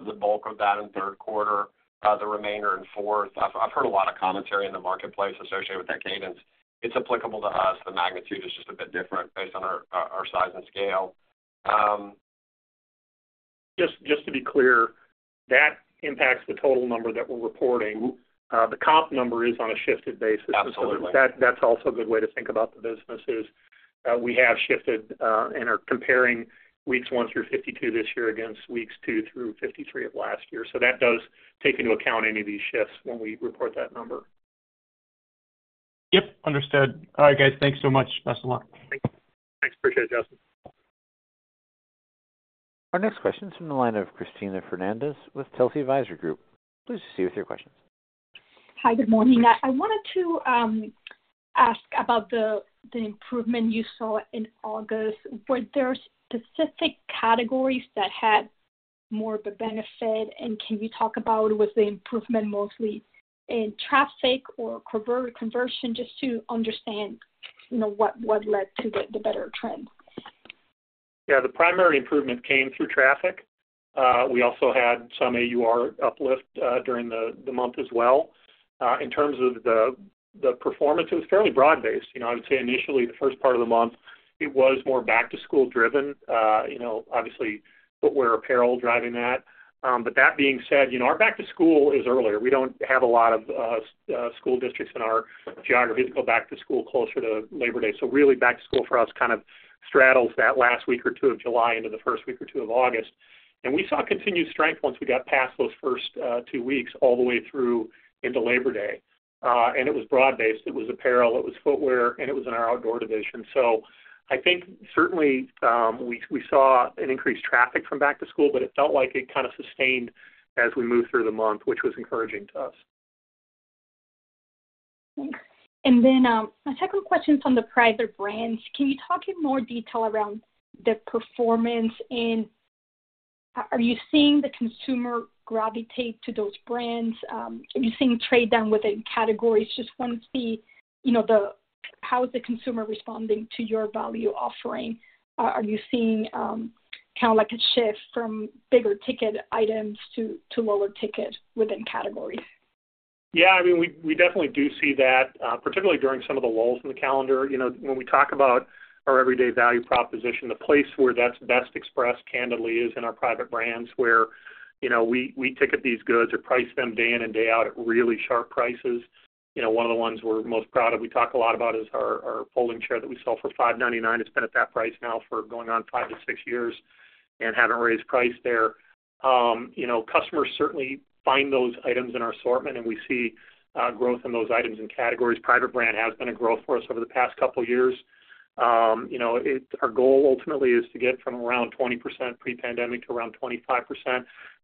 the bulk of that in third quarter, the remainder in fourth. I've heard a lot of commentary in the marketplace associated with that cadence. It's applicable to us. The magnitude is just a bit different based on our size and scale.
Just, just to be clear, that impacts the total number that we're reporting. The comp number is on a shifted basis.
Absolutely.
That, that's also a good way to think about the business, is, we have shifted, and are comparing weeks one through 52 this year against weeks 2 through 53 of last year. So that does take into account any of these shifts when we report that number.
Yep, understood. All right, guys. Thanks so much. Best of luck.
Thank you.
Thanks. Appreciate it, Justin.
Our next question is from the line of Cristina Fernandez with Telsey Advisory Group. Please proceed with your questions.
Hi, good morning. I wanted to ask about the improvement you saw in August. Were there specific categories that had more of a benefit, and can you talk about was the improvement mostly in traffic or conversion, just to understand, you know, what led to the better trend?
Yeah, the primary improvement came through traffic. We also had some AUR uplift during the month as well. In terms of the performance, it was fairly broad-based. You know, I would say initially, the first part of the month, it was more back to school driven, you know, obviously, footwear, apparel driving that. But that being said, you know, our back to school is earlier. We don't have a lot of school districts in our geography to go back to school closer to Labor Day. So really, back to school for us, kind of straddles that last week or two of July into the first week or two of August. We saw continued strength once we got past those first two weeks, all the way through into Labor Day. And it was broad-based. It was apparel, it was footwear, and it was in our outdoor division. So I think certainly, we saw an increased traffic from back to school, but it felt like it kind of sustained as we moved through the month, which was encouraging to us.
Thanks. And then my second question is on the private brands. Can you talk in more detail around the performance, and are you seeing the consumer gravitate to those brands? Are you seeing trade down within categories? Just want to see, you know, how is the consumer responding to your value offering? Are you seeing kind of like a shift from bigger ticket items to lower ticket within categories?
Yeah, I mean, we definitely do see that, particularly during some of the lulls in the calendar. You know, when we talk about our everyday value proposition, the place where that's best expressed, candidly, is in our private brands, where, you know, we ticket these goods or price them day in and day out at really sharp prices. You know, one of the ones we're most proud of, we talk a lot about is our folding chair that we sell for $5.99. It's been at that price now for going on five to six years and haven't raised price there. You know, customers certainly find those items in our assortment, and we see growth in those items and categories. Private brand has been a growth for us over the past couple of years. You know, our goal ultimately is to get from around 20% pre-pandemic to around 25%.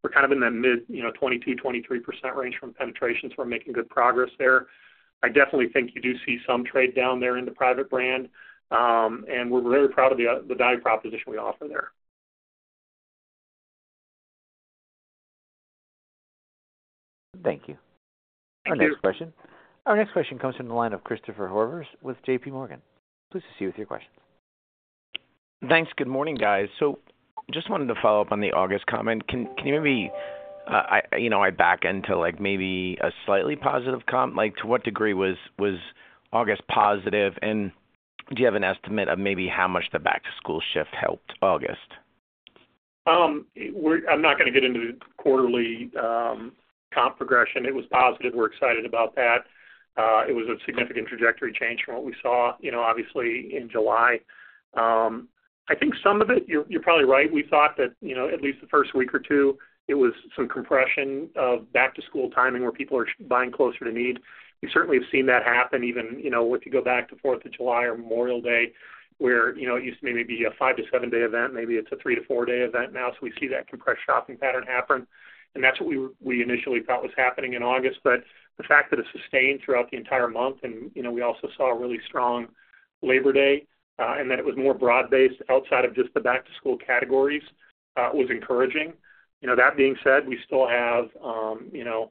We're kind of in the mid, you know, 22%-23% range from penetration, so we're making good progress there. I definitely think you do see some trade down there in the private brand, and we're very proud of the value proposition we offer there.
Thank you.
Thank you.
Our next question comes from the line of Christopher Horvers with JP Morgan. Please proceed with your questions.
Thanks. Good morning, guys. So just wanted to follow up on the August comment. Can you maybe, you know, I back into, like, maybe a slightly positive comp, like, to what degree was August positive? And do you have an estimate of maybe how much the back-to-school shift helped August?
We're not gonna get into the quarterly comp progression. It was positive. We're excited about that. It was a significant trajectory change from what we saw, you know, obviously, in July. I think some of it, you're probably right. We thought that, you know, at least the first week or two, it was some compression of back-to-school timing, where people are buying closer to need. We certainly have seen that happen even, you know, if you go back to Fourth of July or Memorial Day, where, you know, it used to maybe be a five-to-seven-day event, maybe it's a three-to-four-day event now. So we see that compressed shopping pattern happen, and that's what we initially thought was happening in August. But the fact that it sustained throughout the entire month and, you know, we also saw a really strong Labor Day, and that it was more broad-based outside of just the back-to-school categories, was encouraging. You know, that being said, we still have, you know,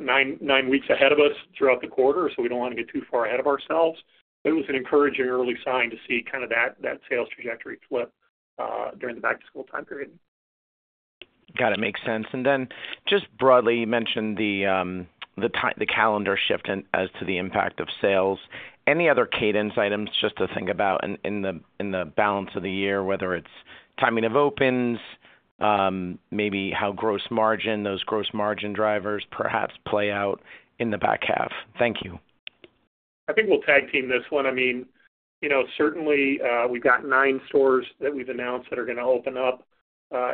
nine weeks ahead of us throughout the quarter, so we don't want to get too far ahead of ourselves. But it was an encouraging early sign to see kind of that sales trajectory flip, during the back-to-school time period.
Got it. Makes sense. And then just broadly, you mentioned the calendar shift in as to the impact of sales. Any other cadence items just to think about in the balance of the year, whether it's timing of opens, maybe how gross margin, those gross margin drivers perhaps play out in the back half? Thank you.
I think we'll tag-team this one. I mean, you know, certainly, we've got nine stores that we've announced that are gonna open up,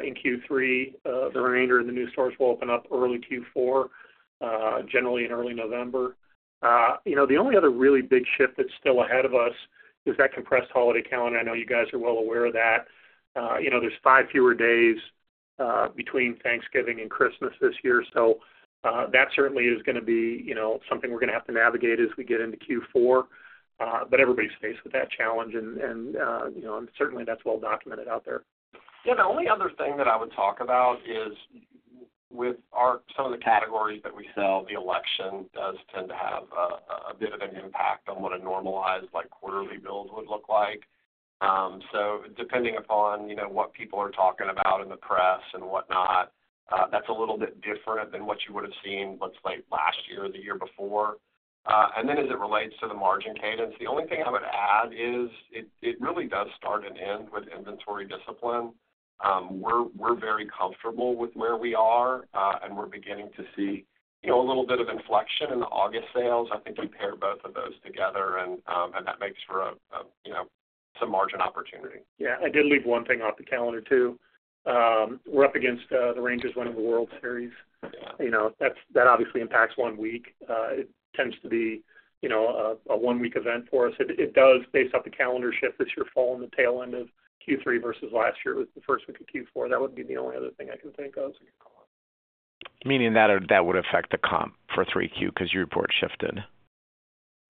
in Q3. The remainder of the new stores will open up early Q4, generally in early November. You know, the only other really big shift that's still ahead of us is that compressed holiday calendar. I know you guys are well aware of that. You know, there's five fewer days, between Thanksgiving and Christmas this year, so, that certainly is gonna be, you know, something we're gonna have to navigate as we get into Q4, but everybody's faced with that challenge and, you know, and certainly, that's well documented out there.
Yeah, the only other thing that I would talk about is with some of the categories that we sell, the election does tend to have a bit of an impact on what a normalized, like, quarterly build would look like. So depending upon, you know, what people are talking about in the press and whatnot, that's a little bit different than what you would have seen looks like last year or the year before. And then as it relates to the margin cadence, the only thing I would add is it really does start and end with inventory discipline. We're very comfortable with where we are, and we're beginning to see, you know, a little bit of inflection in the August sales. I think you pair both of those together and that makes for a, you know, some margin opportunity.
Yeah, I did leave one thing off the calendar, too. We're up against the Rangers winning the World Series. You know, that's, that obviously impacts one week. It tends to be, you know, a one-week event for us. It does, based off the calendar shift this year, fall in the tail end of Q3 versus last year, it was the first week of Q4. That would be the only other thing I can think of.
Meaning that, that would affect the comp for 3Q because your report shifted?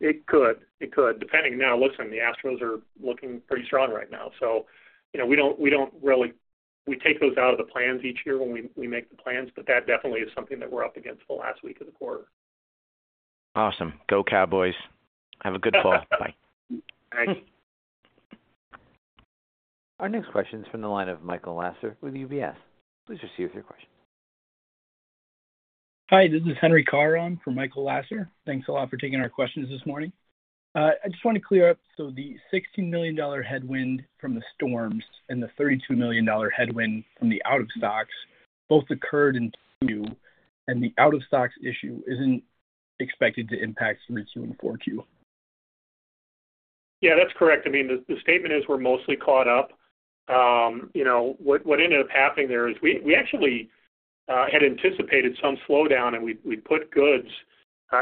It could. It could, depending. Now, listen, the Astros are looking pretty strong right now, so you know, we don't, we don't really, we take those out of the plans each year when we, we make the plans, but that definitely is something that we're up against the last week of the quarter.
Awesome. Go, Cowboys! Have a good fall. Bye.
Thanks.
Our next question is from the line of Michael Lasser with UBS. Please proceed with your question.
Hi, this is Henry Caron for Michael Lasser. Thanks a lot for taking our questions this morning. I just want to clear up, so the $16 million headwind from the storms and the $32 million headwind from the out of stocks both occurred in 2Q, and the out of stocks issue isn't expected to impact 3Q and 4Q?
Yeah, that's correct. I mean, the statement is we're mostly caught up. You know, what ended up happening there is we actually had anticipated some slowdown, and we put goods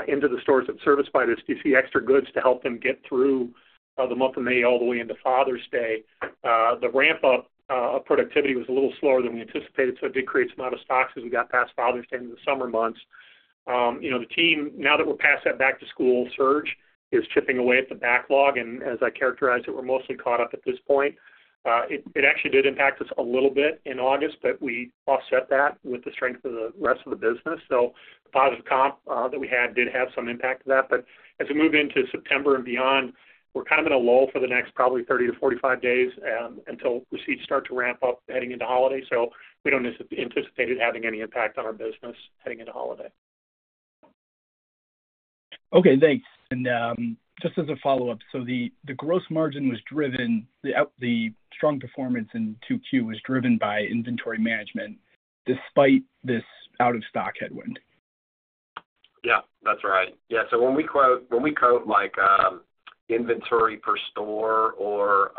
into the stores that serviced by this DC extra goods to help them get through the month of May all the way into Father's Day. The ramp up of productivity was a little slower than we anticipated, so it did create some out of stocks as we got past Father's Day into the summer months. You know, the team, now that we're past that back-to-school surge, is chipping away at the backlog, and as I characterized it, we're mostly caught up at this point. It actually did impact us a little bit in August, but we offset that with the strength of the rest of the business. So the positive comp that we had did have some impact to that. But as we move into September and beyond, we're kind of in a lull for the next probably 30-45 days, until we see it start to ramp up heading into holiday. So we don't anticipate it having any impact on our business heading into holiday.
Okay, thanks. And just as a follow-up, so the gross margin was driven... The strong performance in 2Q was driven by inventory management despite this out of stock headwind?...
Yeah, that's right. Yeah, so when we quote, like, inventory per store or,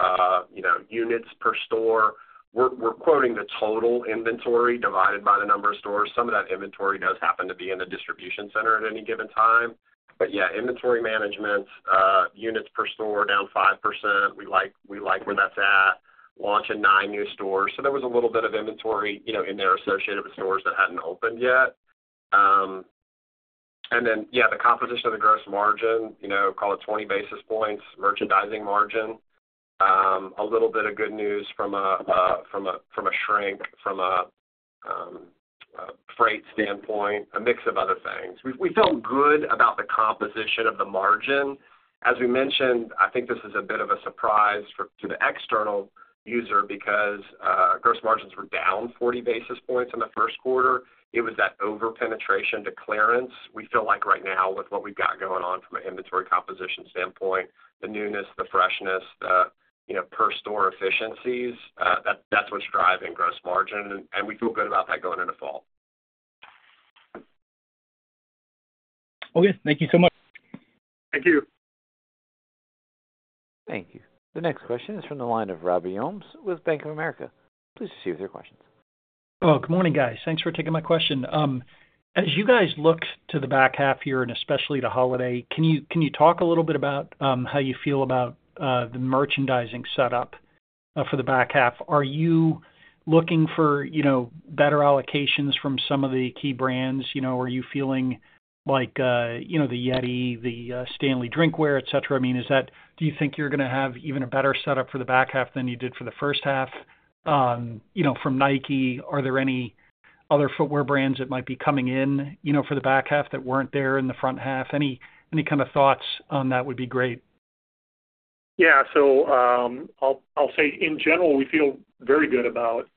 you know, units per store, we're quoting the total inventory divided by the number of stores. Some of that inventory does happen to be in the distribution center at any given time. But yeah, inventory management, units per store, down 5%. We like where that's at. Launching nine new stores. So there was a little bit of inventory, you know, in there associated with stores that hadn't opened yet. And then, yeah, the composition of the gross margin, you know, call it 20 basis points, merchandising margin, a little bit of good news from a shrink, from a freight standpoint, a mix of other things. We feel good about the composition of the margin. As we mentioned, I think this is a bit of a surprise for to the external user because gross margins were down 40 basis points in the first quarter. It was that over-penetration to clearance. We feel like right now, with what we've got going on from an inventory composition standpoint, the newness, the freshness, the, you know, per store efficiencies, that's what's driving gross margin, and we feel good about that going into fall.
Okay, thank you so much.
Thank you.
Thank you. The next question is from the line of Robbie Ohmes with Bank of America. Please proceed with your questions.
Oh, good morning, guys. Thanks for taking my question. As you guys look to the back half here, and especially the holiday, can you talk a little bit about how you feel about the merchandising setup for the back half? Are you looking for, you know, better allocations from some of the key brands? You know, are you feeling like, you know, the Yeti, the Stanley drinkware, et cetera? I mean, is that do you think you're gonna have even a better setup for the back half than you did for the first half? You know, from Nike, are there any other footwear brands that might be coming in, you know, for the back half that weren't there in the front half? Any kind of thoughts on that would be great.
Yeah, so I'll say, in general, we feel very good about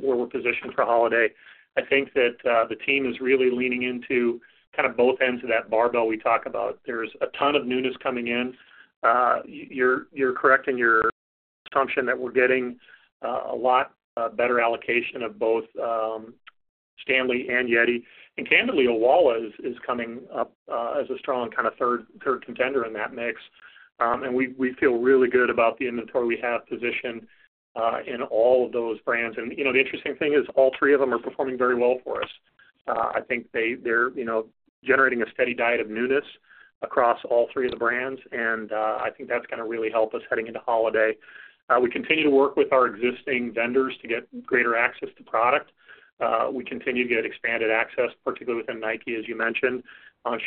where we're positioned for holiday. I think that the team is really leaning into kind of both ends of that barbell we talk about. There's a ton of newness coming in. You're correct in your assumption that we're getting a lot better allocation of both Stanley and Yeti. And candidly, Owala is coming up as a strong kind of third contender in that mix. And we feel really good about the inventory we have positioned in all of those brands. And, you know, the interesting thing is all three of them are performing very well for us. I think they're, you know, generating a steady diet of newness across all three of the brands, and I think that's gonna really help us heading into holiday. We continue to work with our existing vendors to get greater access to product. We continue to get expanded access, particularly within Nike, as you mentioned.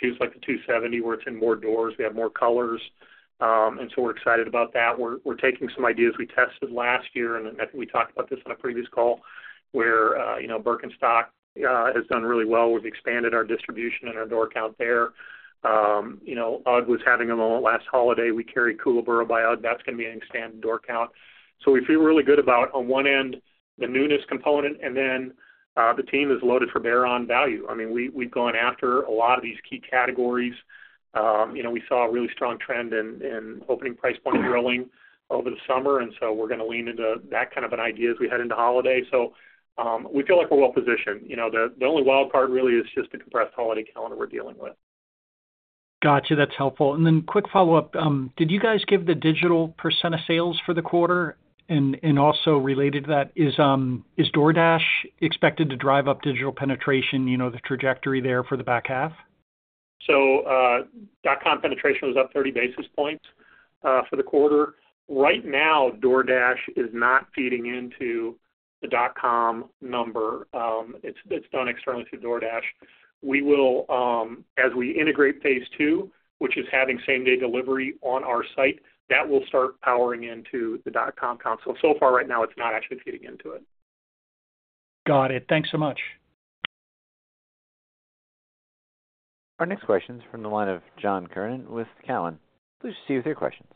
Shoes like the 270, where it's in more doors, we have more colors, and so we're excited about that. We're taking some ideas we tested last year, and I think we talked about this on a previous call, where you know, Birkenstock has done really well. We've expanded our distribution and our door count there. You know, UGG was having a moment last holiday. We carry Koolaburra by UGG. That's gonna be an expanded door count. So we feel really good about, on one end, the newness component, and then, the team is loaded for bear on value. I mean, we, we've gone after a lot of these key categories. You know, we saw a really strong trend in opening price point drilling over the summer, and so we're gonna lean into that kind of an idea as we head into holiday. So, we feel like we're well positioned. You know, the only wild card really is just the compressed holiday calendar we're dealing with.
Gotcha, that's helpful. And then quick follow-up. Did you guys give the digital % of sales for the quarter? And also related to that, is DoorDash expected to drive up digital penetration, you know, the trajectory there for the back half?
Dot-Com penetration was up 30 basis points for the quarter. Right now, DoorDash is not feeding into the dot-com number. It's done externally through DoorDash. We will... As we integrate phase two, which is having same-day delivery on our site, that will start powering into the Dot-Com count. So far right now, it's not actually feeding into it.
Got it. Thanks so much.
Our next question is from the line of John Kernan with Cowen. Please proceed with your questions.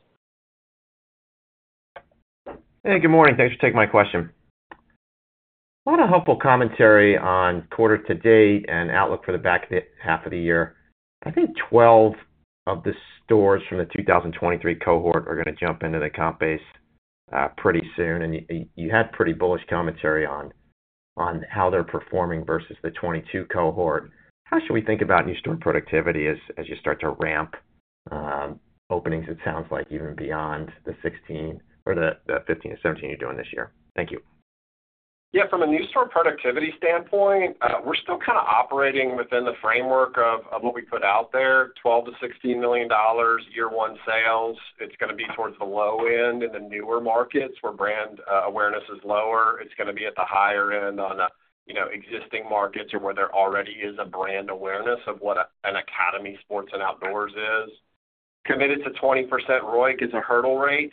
Hey, good morning. Thanks for taking my question. A lot of helpful commentary on quarter-to-date and outlook for the back half of the year. I think 12 of the stores from the 2023 cohort are gonna jump into the comp base pretty soon, and you had pretty bullish commentary on how they're performing versus the 2022 cohort. How should we think about new store productivity as you start to ramp openings, it sounds like, even beyond the 16 or the 15-17 you're doing this year? Thank you.
Yeah, from a new store productivity standpoint, we're still kind of operating within the framework of what we put out there, $12-$16 million Y1 sales. It's gonna be towards the low end in the newer markets, where brand awareness is lower. It's gonna be at the higher end on the, you know, existing markets or where there already is a brand awareness of what a, an Academy Sports and Outdoors is. Committed to 20% ROIC as a hurdle rate.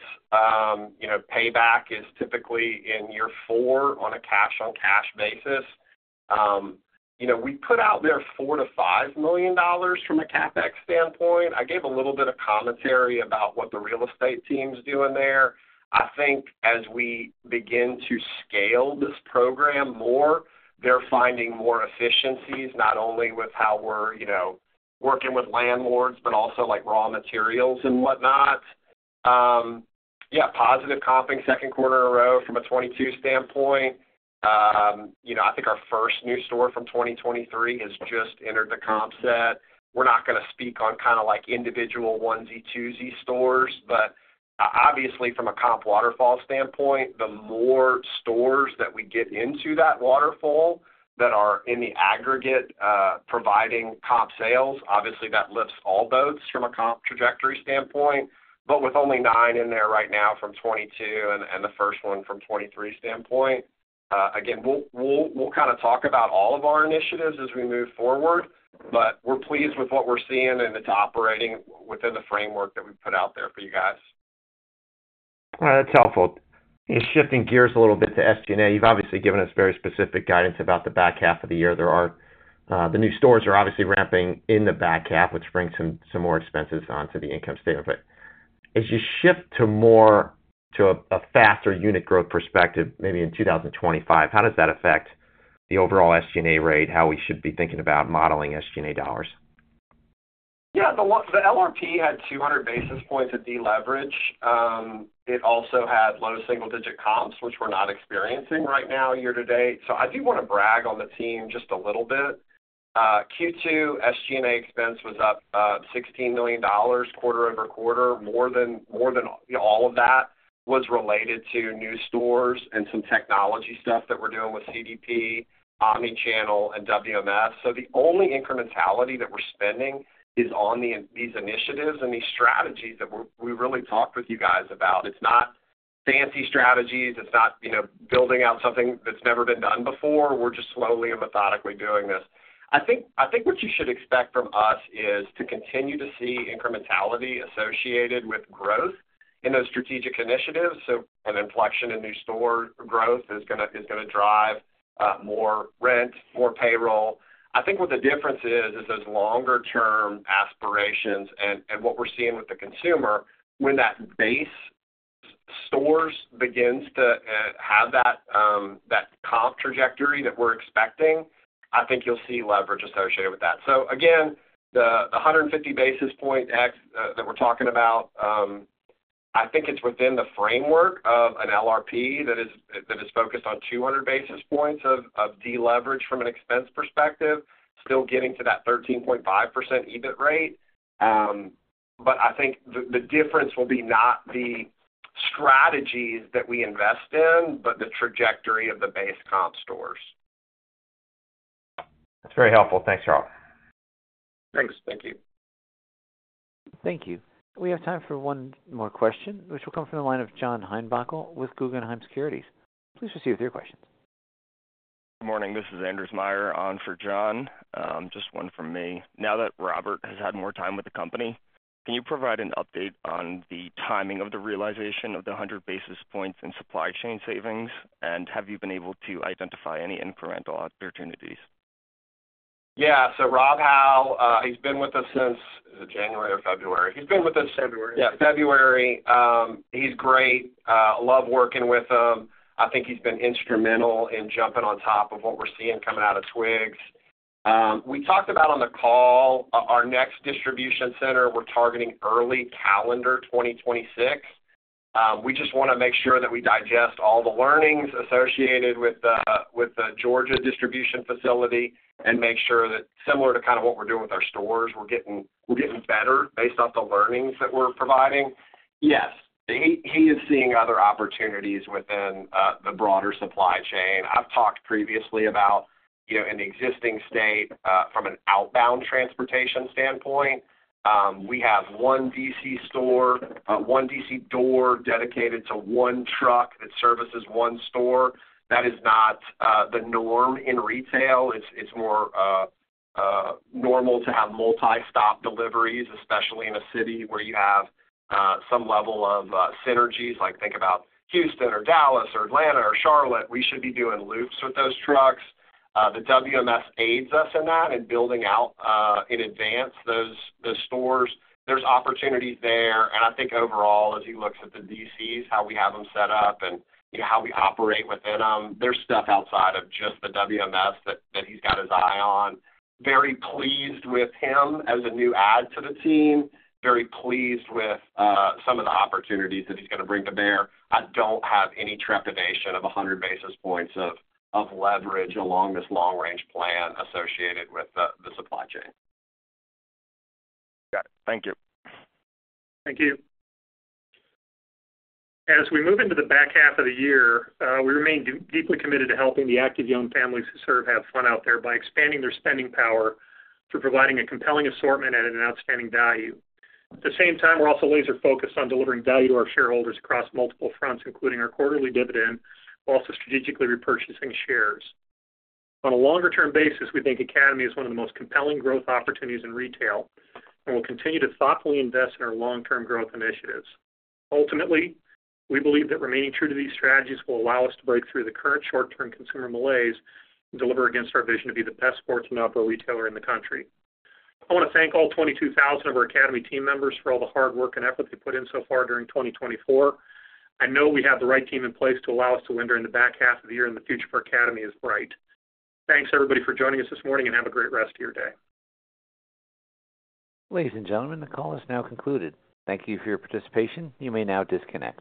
You know, payback is typically in Y4 on a cash-on-cash basis. You know, we put out there $4-$5 million from a CapEx standpoint. I gave a little bit of commentary about what the real estate team's doing there. I think as we begin to scale this program more, they're finding more efficiencies, not only with how we're, you know, working with landlords, but also, like, raw materials and whatnot. Yeah, positive comping second quarter in a row from a 2022 standpoint. You know, I think our first new store from 2023 has just entered the comp set. We're not gonna speak on kinda, like, individual onesie, twosie stores, but obviously from a comp waterfall standpoint, the more stores that we get into that waterfall that are in the aggregate providing comp sales, obviously, that lifts all boats from a comp trajectory standpoint. But with only nine in there right now from 2022 and the first one from 2023 standpoint, again, we'll kinda talk about all of our initiatives as we move forward, but we're pleased with what we're seeing, and it's operating within the framework that we've put out there for you guys.
All right, that's helpful. In shifting gears a little bit to SG&A, you've obviously given us very specific guidance about the back half of the year. There are the new stores are obviously ramping in the back half, which brings some more expenses onto the income statement. But as you shift to a faster unit growth perspective, maybe in two thousand and twenty-five, how does that affect the overall SG&A rate, how we should be thinking about modeling SG&A dollars?
Yeah, the one - the LRP had 200 basis points of deleverage. It also had low single-digit comps, which we're not experiencing right now year-to-date. So I do wanna brag on the team just a little bit. Q2 SG&A expense was up $16 million quarter-over-quarter. More than all of that was related to new stores and some technology stuff that we're doing with CDP, omni-channel, and WMS. So the only incrementality that we're spending is on these initiatives and these strategies that we're, we really talked with you guys about. It's not fancy strategies. It's not, you know, building out something that's never been done before. We're just slowly and methodically doing this. I think what you should expect from us is to continue to see incrementality associated with growth in those strategic initiatives. An inflection in new store growth is gonna drive more rent, more payroll. I think what the difference is is those longer-term aspirations and what we're seeing with the consumer, when that base stores begins to have that comp trajectory that we're expecting. I think you'll see leverage associated with that. Again, the 150 basis point that we're talking about, I think it's within the framework of an LRP that is focused on 200 basis points of deleverage from an expense perspective, still getting to that 13.5% EBIT rate. But I think the difference will be not the strategies that we invest in, but the trajectory of the base comp stores.
That's very helpful. Thanks, y'all.
Thanks. Thank you.
Thank you. We have time for one more question, which will come from the line of John Heinbockel with Guggenheim Securities. Please proceed with your question.
Good morning. This is Anders Myhre on for John. Just one from me. Now that Robert has had more time with the company, can you provide an update on the timing of the realization of the 100 basis points in supply chain savings? And have you been able to identify any incremental opportunities?
Yeah. So Rob Howe, he's been with us since January or February. He's been with us-
February.
Yeah, February. He's great. Love working with him. I think he's been instrumental in jumping on top of what we're seeing coming out of Twiggs. We talked about on the call, our next distribution center, we're targeting early calendar 2026. We just wanna make sure that we digest all the learnings associated with the Georgia distribution facility and make sure that similar to kind of what we're doing with our stores, we're getting better based off the learnings that we're providing. Yes, he is seeing other opportunities within the broader supply chain. I've talked previously about, you know, in the existing state, from an outbound transportation standpoint, we have one DC store, one DC door dedicated to one truck that services one store. That is not the norm in retail. It's more normal to have multi-stop deliveries, especially in a city where you have some level of synergies, like think about Houston or Dallas or Atlanta or Charlotte. We should be doing loops with those trucks. The WMS aids us in that, in building out in advance those stores. There are opportunities there, and I think overall, as he looks at the DCs, how we have them set up and, you know, how we operate within them, there's stuff outside of just the WMS that he's got his eye on. Very pleased with him as a new add to the team. Very pleased with some of the opportunities that he's gonna bring to bear. I don't have any trepidation of 100 basis points of leverage along this long-range plan associated with the supply chain.
Got it. Thank you.
Thank you. As we move into the back half of the year, we remain deeply committed to helping the active young families we serve have fun out there by expanding their spending power through providing a compelling assortment at an outstanding value. At the same time, we're also laser-focused on delivering value to our shareholders across multiple fronts, including our quarterly dividend, while also strategically repurchasing shares. On a longer-term basis, we think Academy is one of the most compelling growth opportunities in retail, and we'll continue to thoughtfully invest in our long-term growth initiatives. Ultimately, we believe that remaining true to these strategies will allow us to break through the current short-term consumer malaise and deliver against our vision to be the best sports and outdoor retailer in the country. I wanna thank all 22,000 of our Academy team members for all the hard work and effort they put in so far during 2024. I know we have the right team in place to allow us to win during the back half of the year, and the future for Academy is bright. Thanks, everybody, for joining us this morning, and have a great rest of your day.
Ladies and gentlemen, the call is now concluded. Thank you for your participation. You may now disconnect.